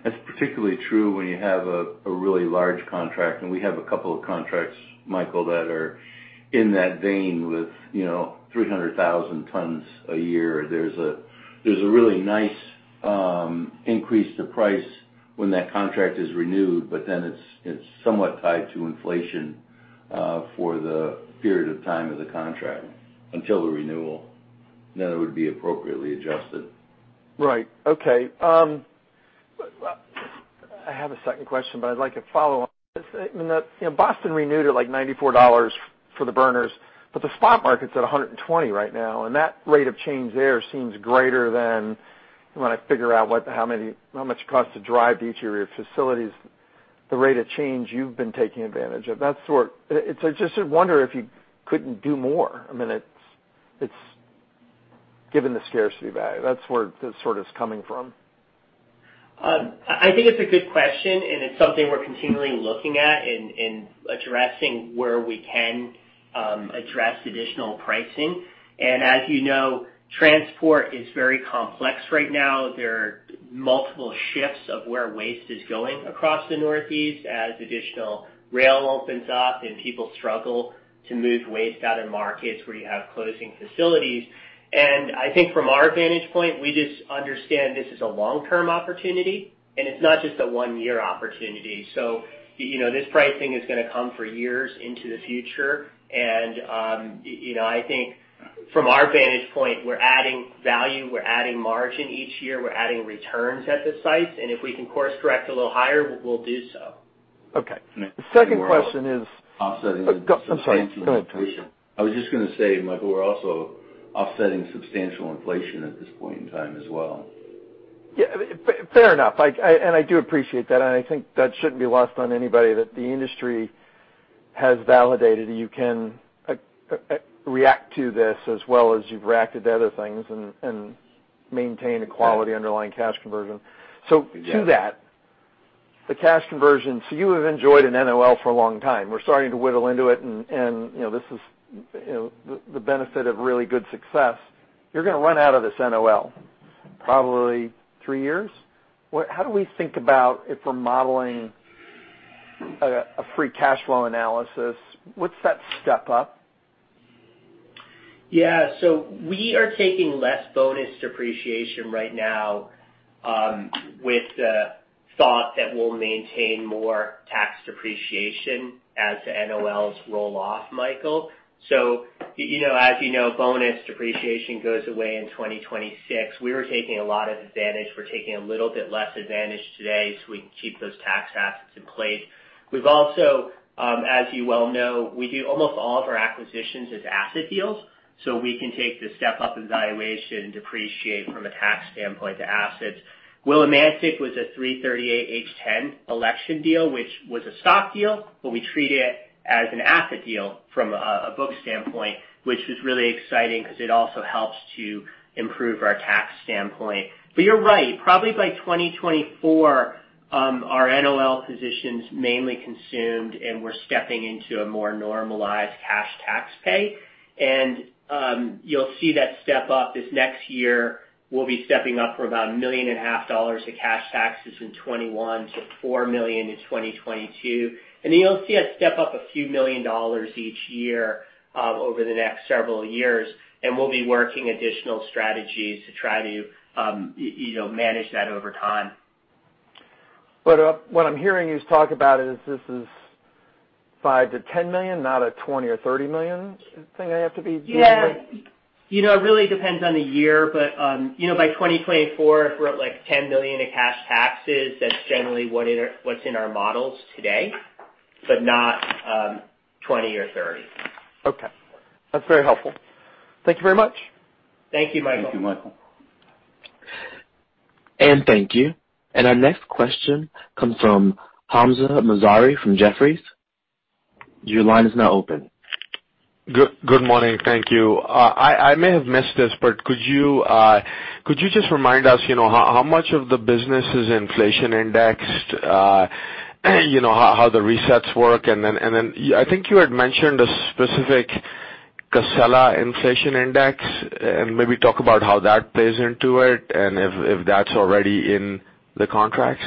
That's particularly true when you have a really large contract, and we have a couple of contracts, Michael, that are in that vein with, you know, 300,000 tons a year. There's a really nice increase in price when that contract is renewed, but then it's somewhat tied to inflation for the period of time of the contract until the renewal, and then it would be appropriately adjusted. Right. Okay. I have a second question, but I'd like to follow on this. You know, Boston renewed at, like, $94 for the burners, but the spot market's at $120 right now, and that rate of change there seems greater than when I figure out how much it costs to drive to each of your facilities, the rate of change you've been taking advantage of. That sort. It's just I wonder if you couldn't do more. I mean, it's given the scarcity value. That's where it's sort of coming from. I think it's a good question, and it's something we're continually looking at and addressing where we can address additional pricing. As you know, transport is very complex right now. There are multiple shifts of where waste is going across the Northeast as additional rail opens up and people struggle to move waste out of markets where you have closing facilities. I think from our vantage point, we just understand this is a long-term opportunity, and it's not just a one-year opportunity. You know, this pricing is gonna come for years into the future. You know, I think from our vantage point, we're adding value, we're adding margin each year, we're adding returns at the sites. If we can course correct a little higher, we'll do so. Okay. The second question is- We're also offsetting. Oh, go. I'm sorry. Go ahead. I was just gonna say, Michael, we're also offsetting substantial inflation at this point in time as well. Yeah. Fair enough. I do appreciate that, and I think that shouldn't be lost on anybody that the industry has validated. You can react to this as well as you've reacted to other things and maintain a quality underlying cash conversion. Yes. To that, the cash conversion. You have enjoyed an NOL for a long time. We're starting to whittle into it and, you know, this is, you know, the benefit of really good success. You're gonna run out of this NOL, probably three years. What, how do we think about if we're modeling a free cash flow analysis? What's that step-up? Yeah. We are taking less bonus depreciation right now, with the thought that we'll maintain more tax depreciation as the NOLs roll off, Michael. You know, as you know, bonus depreciation goes away in 2026. We were taking a lot of advantage. We're taking a little bit less advantage today, so we can keep those tax assets in place. We've also, as you well know, we do almost all of our acquisitions as asset deals, so we can take the step-up in valuation, depreciate from a tax standpoint, the assets. Willimantic was a 338(h)(10) election deal, which was a stock deal, but we treat it as an asset deal from a book standpoint, which is really exciting because it also helps to improve our tax standpoint. You're right. Probably by 2024, our NOL position's mainly consumed, and we're stepping into a more normalized cash tax pay. You'll see that step up this next year. We'll be stepping up from about $1.5 million of cash taxes in 2021 to $4 million in 2022. You'll see us step up a few million dollars each year, over the next several years, and we'll be working additional strategies to try to, you know, manage that over time. What I'm hearing you talk about is this is $5 million-$10 million, not a $20 million or $30 million thing I have to be dealing with? Yeah. You know, it really depends on the year. You know, by 2024, if we're at, like, $10 million in cash taxes, that's generally what's in our models today, but not $20 million or $30 million. Okay. That's very helpful. Thank you very much. Thank you, Michael. Thank you, Michael. Thank you. Our next question comes from Hamzah Mazari from Jefferies. Your line is now open. Good morning. Thank you. I may have missed this, but could you just remind us, you know, how much of the business is inflation-indexed, you know, how the resets work? I think you had mentioned a specific Casella inflation index, and maybe talk about how that plays into it and if that's already in the contracts.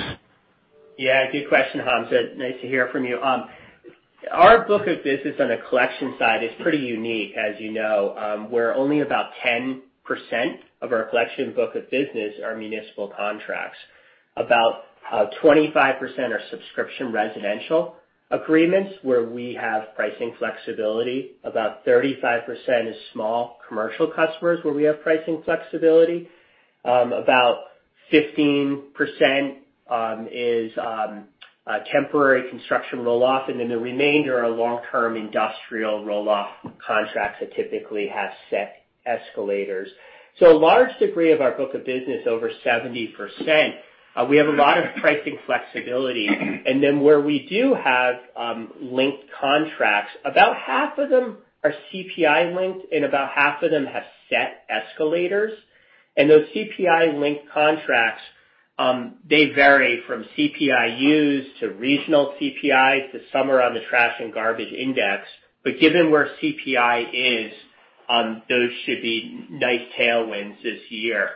Yeah, good question, Hamzah. Nice to hear from you. Our book of business on the collection side is pretty unique, as you know, where only about 10% of our collection book of business are municipal contracts. About 25% are subscription residential agreements, where we have pricing flexibility. About 35% is small commercial customers, where we have pricing flexibility. About 15% is temporary construction roll-off. The remainder are long-term industrial roll-off contracts that typically have set escalators. A large degree of our book of business, over 70%, we have a lot of pricing flexibility. Where we do have linked contracts, about half of them are CPI-linked, and about half of them have set escalators. Those CPI-linked contracts, they vary from CPI-Us to regional CPI to some are on the trash and garbage index. Given where CPI is, those should be nice tailwinds this year.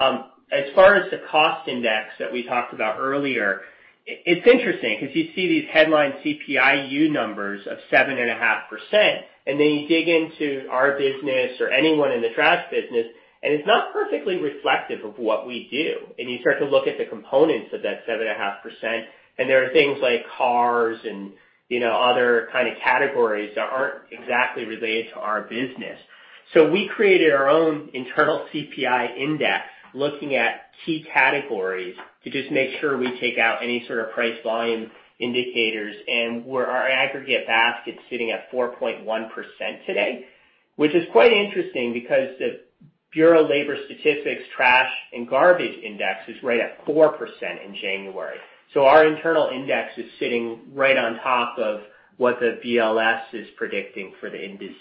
As far as the cost index that we talked about earlier, it's interesting because you see these headline CPI-U numbers of 7.5%, and then you dig into our business or anyone in the trash business, and it's not perfectly reflective of what we do. You start to look at the components of that 7.5%, and there are things like cars and, you know, other kind of categories that aren't exactly related to our business. We created our own internal CPI index looking at key categories to just make sure we take out any sort of price volume indicators and where our aggregate basket is sitting at 4.1% today, which is quite interesting because the Bureau of Labor Statistics trash and garbage index is right at 4% in January. Our internal index is sitting right on top of what the BLS is predicting for the industry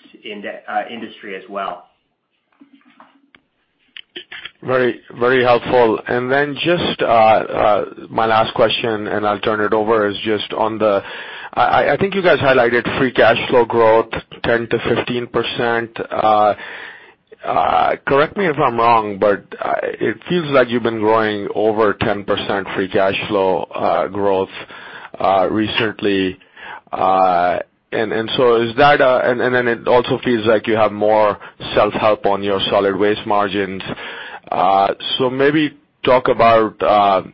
as well. Very, very helpful. Then just my last question, and I'll turn it over, is just on the. I think you guys highlighted free cash flow growth 10%-15%. Correct me if I'm wrong, but it feels like you've been growing over 10% free cash flow growth recently. And then it also feels like you have more self-help on your solid waste margins. So maybe talk about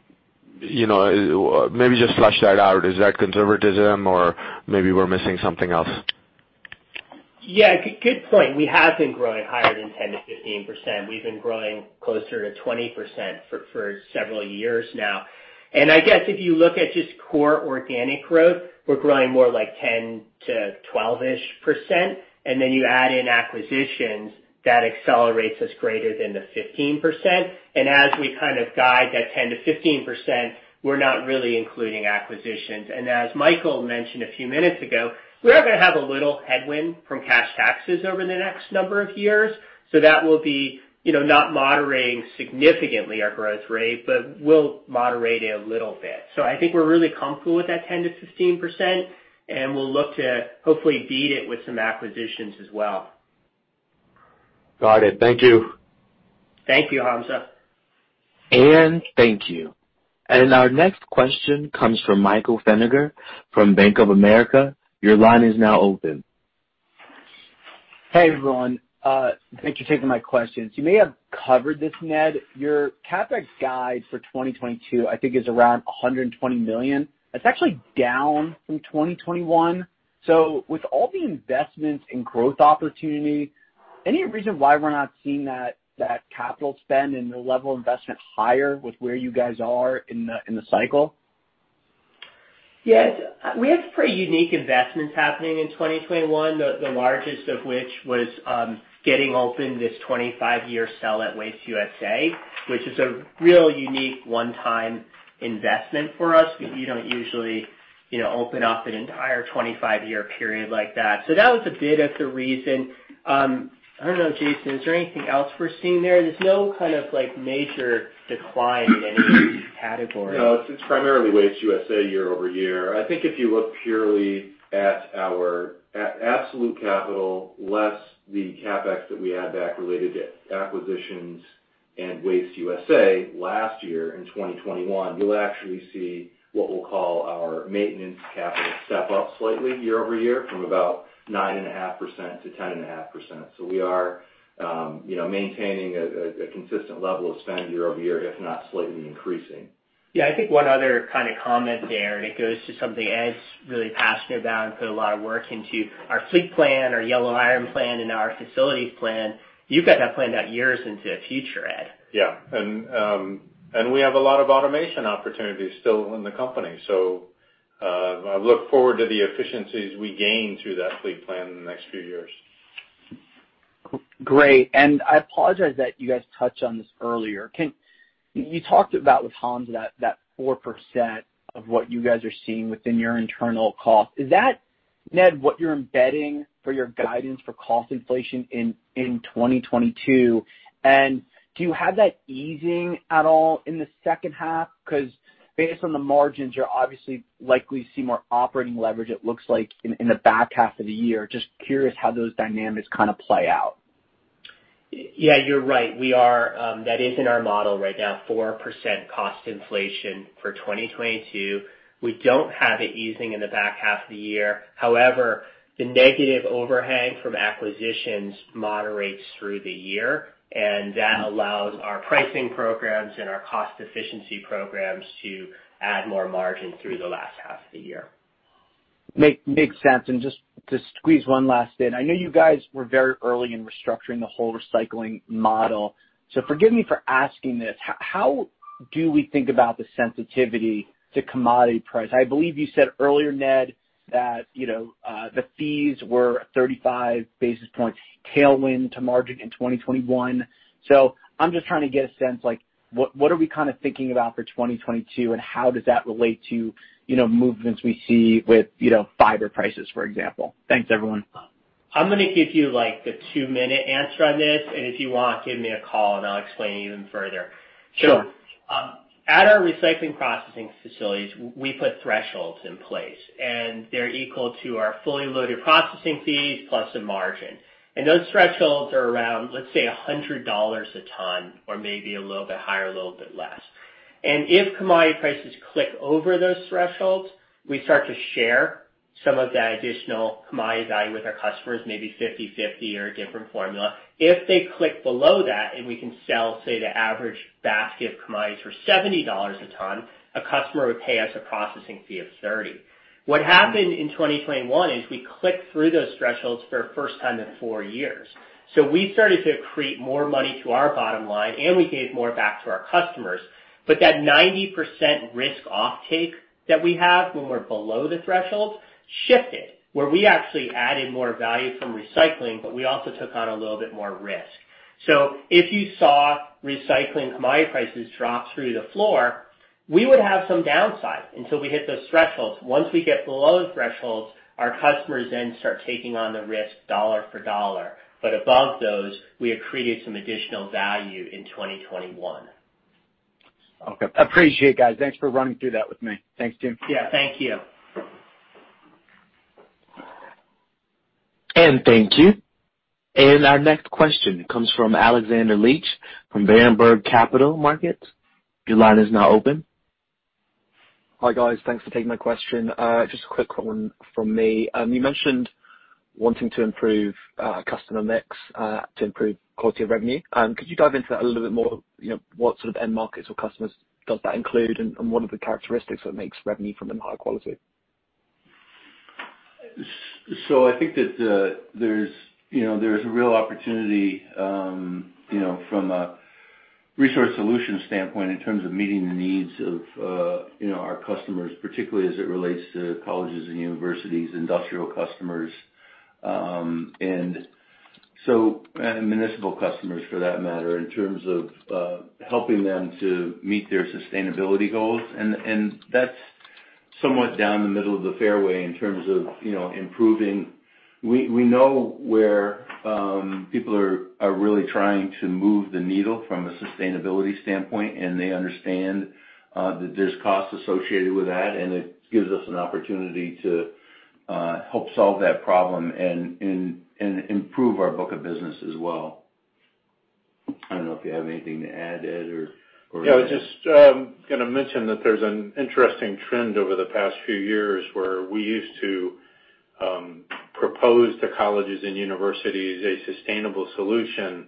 you know. Maybe just flesh that out. Is that conservatism or maybe we're missing something else? Yeah, good point. We have been growing higher than 10%-15%. We've been growing closer to 20% for several years now. I guess if you look at just core organic growth, we're growing more like 10%-12-ish%, and then you add in acquisitions, that accelerates us greater than the 15%. As we kind of guide that 10%-15%, we're not really including acquisitions. As Michael mentioned a few minutes ago, we are gonna have a little headwind from cash taxes over the next number of years. That will be, you know, not moderating significantly our growth rate, but will moderate it a little bit. I think we're really comfortable with that 10%-15%, and we'll look to hopefully beat it with some acquisitions as well. Got it. Thank you. Thank you, Hamzah. Thank you. Our next question comes from Michael Feniger from Bank of America. Your line is now open. Hey, everyone. Thanks for taking my questions. You may have covered this, Ned. Your CapEx guide for 2022, I think, is around $120 million. That's actually down from 2021. With all the investments and growth opportunity, any reason why we're not seeing that capital spend and the level of investment higher with where you guys are in the cycle? Yes. We have pretty unique investments happening in 2021, the largest of which was getting open this 25-year cell at WasteUSA, which is a real unique one-time investment for us. You don't usually, you know, open up an entire 25-year period like that. That was a bit of the reason. I don't know, Jason, is there anything else we're seeing there? There's no kind of, like, major decline in any of these categories. No, it's primarily WasteUSA year-over-year. I think if you look purely at our absolute capital, less the CapEx that we add back related to acquisitions and WasteUSA last year in 2021, you'll actually see what we'll call our maintenance capital step up slightly year-over-year from about 9.5%-10.5%. We are, you know, maintaining a consistent level of spend year-over-year, if not slightly increasing. Yeah, I think one other kind of comment there, and it goes to something Ed's really passionate about and put a lot of work into, our fleet plan, our yellow iron plan, and our facilities plan, you've got that planned out years into the future, Ed. Yeah. We have a lot of automation opportunities still in the company. I look forward to the efficiencies we gain through that fleet plan in the next few years. Great. I apologize that you guys touched on this earlier. You talked about with Hamzah that 4% of what you guys are seeing within your internal cost. Is that, Ned, what you're embedding for your guidance for cost inflation in 2022? Do you have that easing at all in the second half? Because based on the margins, you're obviously likely to see more operating leverage, it looks like, in the back half of the year. Just curious how those dynamics kind of play out. Yeah, you're right. That is in our model right now, 4% cost inflation for 2022. We don't have it easing in the back half of the year. However, the negative overhang from acquisitions moderates through the year, and that allows our pricing programs and our cost efficiency programs to add more margin through the last half of the year. Makes sense. Just to squeeze one last in. I know you guys were very early in restructuring the whole recycling model. Forgive me for asking this. How do we think about the sensitivity to commodity price? I believe you said earlier, Ned, that, you know, the fees were a 35 basis point tailwind to margin in 2021. I'm just trying to get a sense, like, what are we kinda thinking about for 2022, and how does that relate to, you know, movements we see with, you know, fiber prices, for example? Thanks, everyone. I'm gonna give you, like, the two-minute answer on this, and if you want, give me a call and I'll explain it even further. Sure. At our recycling processing facilities, we put thresholds in place, and they're equal to our fully loaded processing fees plus a margin. Those thresholds are around, let's say, $100 a ton or maybe a little bit higher, a little bit less. If commodity prices click over those thresholds, we start to share some of that additional commodity value with our customers, maybe 50/50 or a different formula. If they click below that and we can sell, say, the average basket of commodities for $70 a ton, a customer would pay us a processing fee of $30. What happened in 2021 is we clicked through those thresholds for the first time in four years. We started to accrete more money to our bottom line, and we gave more back to our customers. That 90% risk offtake that we have when we're below the threshold shifted, where we actually added more value from recycling, but we also took on a little bit more risk. If you saw recycling commodity prices drop through the floor, we would have some downside until we hit those thresholds. Once we get below the thresholds, our customers then start taking on the risk dollar for dollar. Above those, we have created some additional value in 2021. Okay. Appreciate it, guys. Thanks for running through that with me. Thank you. Yeah, thank you. Thank you. Our next question comes from Alexander Leach from Berenberg Capital Markets. Your line is now open. Hi, guys. Thanks for taking my question. Just a quick one from me. You mentioned wanting to improve customer mix to improve quality of revenue. Could you dive into that a little bit more? You know, what sort of end markets or customers does that include, and what are the characteristics that makes revenue from them high quality? I think that, you know, there's a real opportunity, you know, from a Resource Solution standpoint in terms of meeting the needs of, you know, our customers, particularly as it relates to colleges and universities, industrial customers, and municipal customers for that matter, in terms of helping them to meet their sustainability goals. That's somewhat down the middle of the fairway in terms of, you know, improving. We know where people are really trying to move the needle from a sustainability standpoint, and they understand that there's costs associated with that, and it gives us an opportunity to help solve that problem and improve our book of business as well. I don't know if you have anything to add, Ed, or Yeah, just gonna mention that there's an interesting trend over the past few years where we used to propose to colleges and universities a sustainable solution.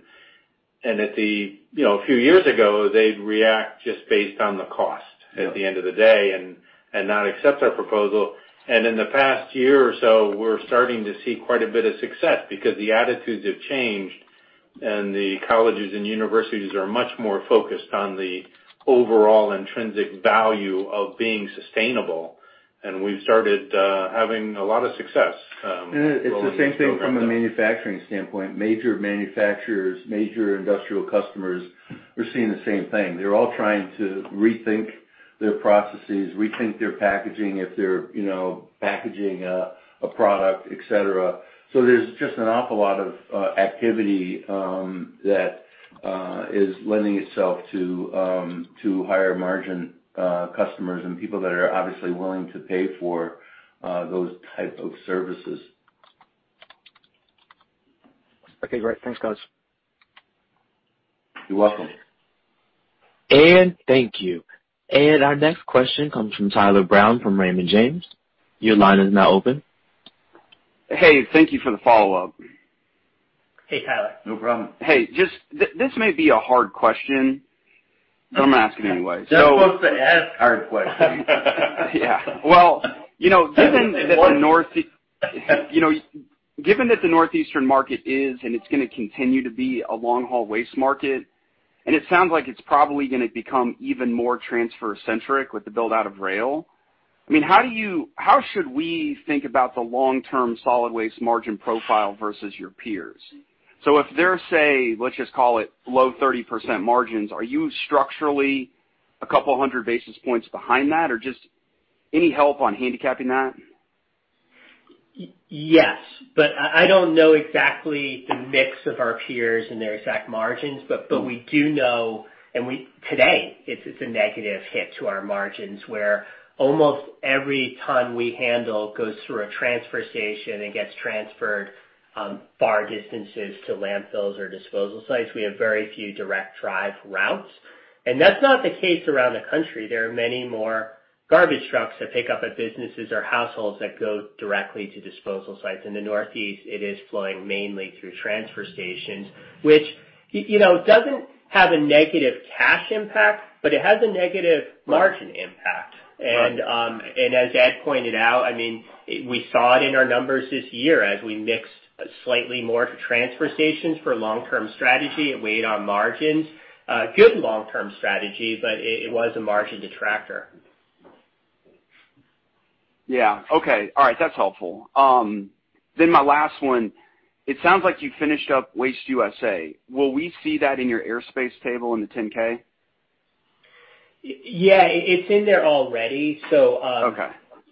You know, a few years ago, they'd react just based on the cost. Yeah... at the end of the day, and not accept our proposal. In the past year or so, we're starting to see quite a bit of success because the attitudes have changed, and the colleges and universities are much more focused on the overall intrinsic value of being sustainable. We've started having a lot of success going into programs- It's the same thing from a manufacturing standpoint. Major manufacturers, major industrial customers, we're seeing the same thing. They're all trying to rethink their processes, rethink their packaging if they're, you know, packaging a product, et cetera. There's just an awful lot of activity that is lending itself to higher margin customers and people that are obviously willing to pay for those type of services. Okay, great. Thanks, guys. You're welcome. Thank you. Our next question comes from Tyler Brown from Raymond James. Your line is now open. Hey, thank you for the follow-up. Hey, Tyler. No problem. This may be a hard question, but I'm asking anyway. You're supposed to ask hard questions. Yeah. Well, you know, given that the Northeastern market is, and it's gonna continue to be a long-haul waste market, and it sounds like it's probably gonna become even more transfer-centric with the build-out of rail. I mean, how should we think about the long-term solid waste margin profile versus your peers? If they're, say, let's just call it low 30% margins, are you structurally a couple hundred basis points behind that or just any help on handicapping that? Yes, I don't know exactly the mix of our peers and their exact margins. We do know today it's a negative hit to our margins, where almost every ton we handle goes through a transfer station and gets transferred far distances to landfills or disposal sites. We have very few direct drive routes. That's not the case around the country. There are many more garbage trucks that pick up at businesses or households that go directly to disposal sites. In the Northeast, it is flowing mainly through transfer stations, which you know doesn't have a negative cash impact, but it has a negative margin impact. Right. as Ed pointed out, I mean, we saw it in our numbers this year as we mixed slightly more transfer stations for long-term strategy. It weighed on margins. Good long-term strategy, but it was a margin detractor. Yeah. Okay. All right. That's helpful. My last one, it sounds like you finished up WasteUSA. Will we see that in your airspace table in the 10-K? Yeah, it's in there already. Okay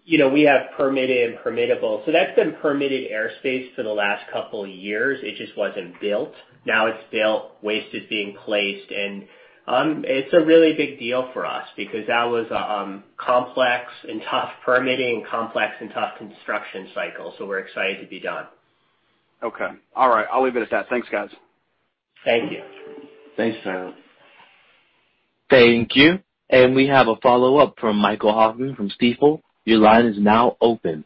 You know, we have permitted and permittable. That's been permitted airspace for the last couple years. It just wasn't built. Now it's built, waste is being placed, and it's a really big deal for us because that was complex and tough permitting, complex and tough construction cycle. We're excited to be done. Okay. All right. I'll leave it at that. Thanks, guys. Thank you. Thanks, Tyler. Thank you. We have a follow-up from Michael Hoffman from Stifel. Your line is now open.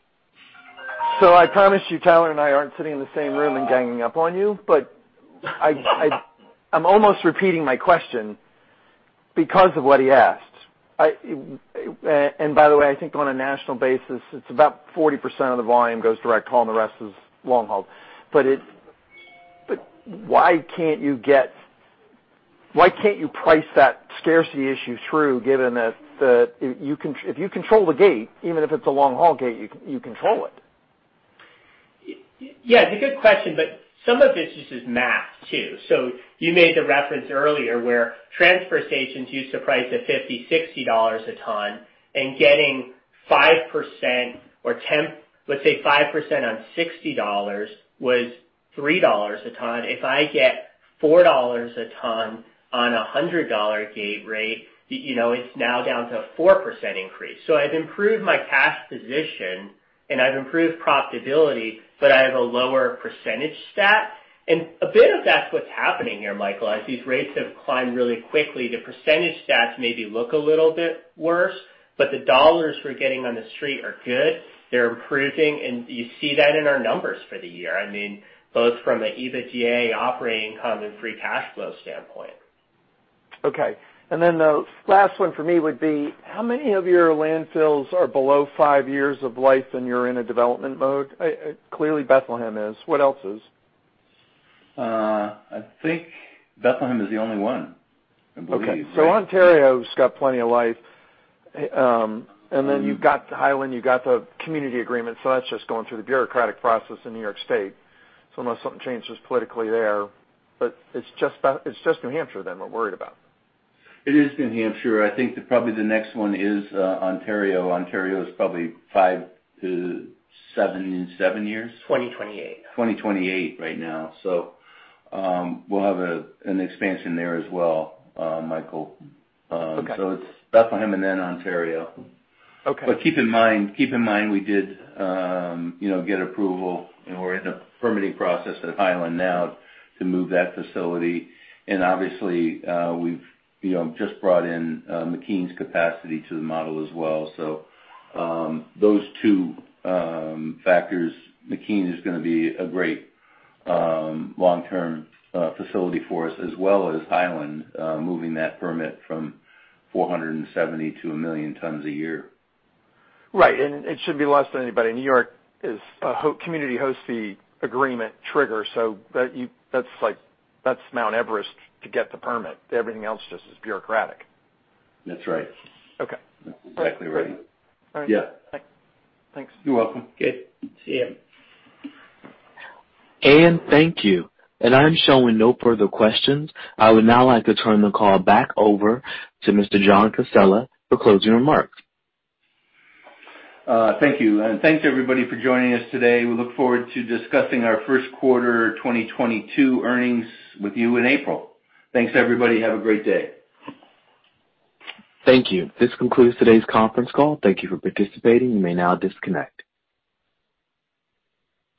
I promise you, Tyler and I aren't sitting in the same room and ganging up on you, but I'm almost repeating my question because of what he asked. By the way, I think on a national basis, it's about 40% of the volume goes direct haul, and the rest is long-haul. But why can't you price that scarcity issue through, given that if you control the gate, even if it's a long-haul gate, you control it. Yeah, it's a good question, but some of it's just math too. You made the reference earlier where transfer stations used to price at $50-$60 a ton and getting 5% or 10%. Let's say 5% on $60 was $3 a ton. If I get $4 a ton on a $100 gate rate, you know, it's now down to a 4% increase. I've improved my cash position, and I've improved profitability, but I have a lower percentage stat. A bit of that's what's happening here, Michael. As these rates have climbed really quickly, the percentage stats maybe look a little bit worse, but the dollars we're getting on the street are good. They're improving, and you see that in our numbers for the year, I mean, both from the EBITDA operating income and free cash flow standpoint. Okay. The last one for me would be, how many of your landfills are below five years of life and you're in a development mode? Clearly Bethlehem is. What else is? I think Bethlehem is the only one, I believe. Okay. Ontario's got plenty of life. Then you've got Hyland. You got the community agreement, so that's just going through the bureaucratic process in New York State. Unless something changes politically there, but it's just New Hampshire then we're worried about. It is New Hampshire. I think probably the next one is Ontario. Ontario is probably five to seven years. 2028. 2028 right now. We'll have an expansion there as well, Michael. Okay. It's Bethlehem and then Ontario. Okay. Keep in mind we did, you know, get approval and we're in the permitting process at Hylandnow to move that facility. Obviously, we've, you know, just brought in McKean's capacity to the model as well. Those two factors, McKean is gonna be a great long-term facility for us as well as Hyland moving that permit from 470,000 tons-1 million tons a year. Right. It should be less than anybody. New York is a Community Host Agreement trigger, so that's like Mount Everest to get the permit. Everything else just is bureaucratic. That's right. Okay. That's exactly right. All right. Yeah. Thanks. You're welcome. Good to see you. Thank you. I'm showing no further questions. I would now like to turn the call back over to Mr. John Casella for closing remarks. Thank you. Thanks everybody for joining us today. We look forward to discussing our first quarter 2022 earnings with you in April. Thanks, everybody. Have a great day. Thank you. This concludes today's conference call. Thank you for participating. You may now disconnect.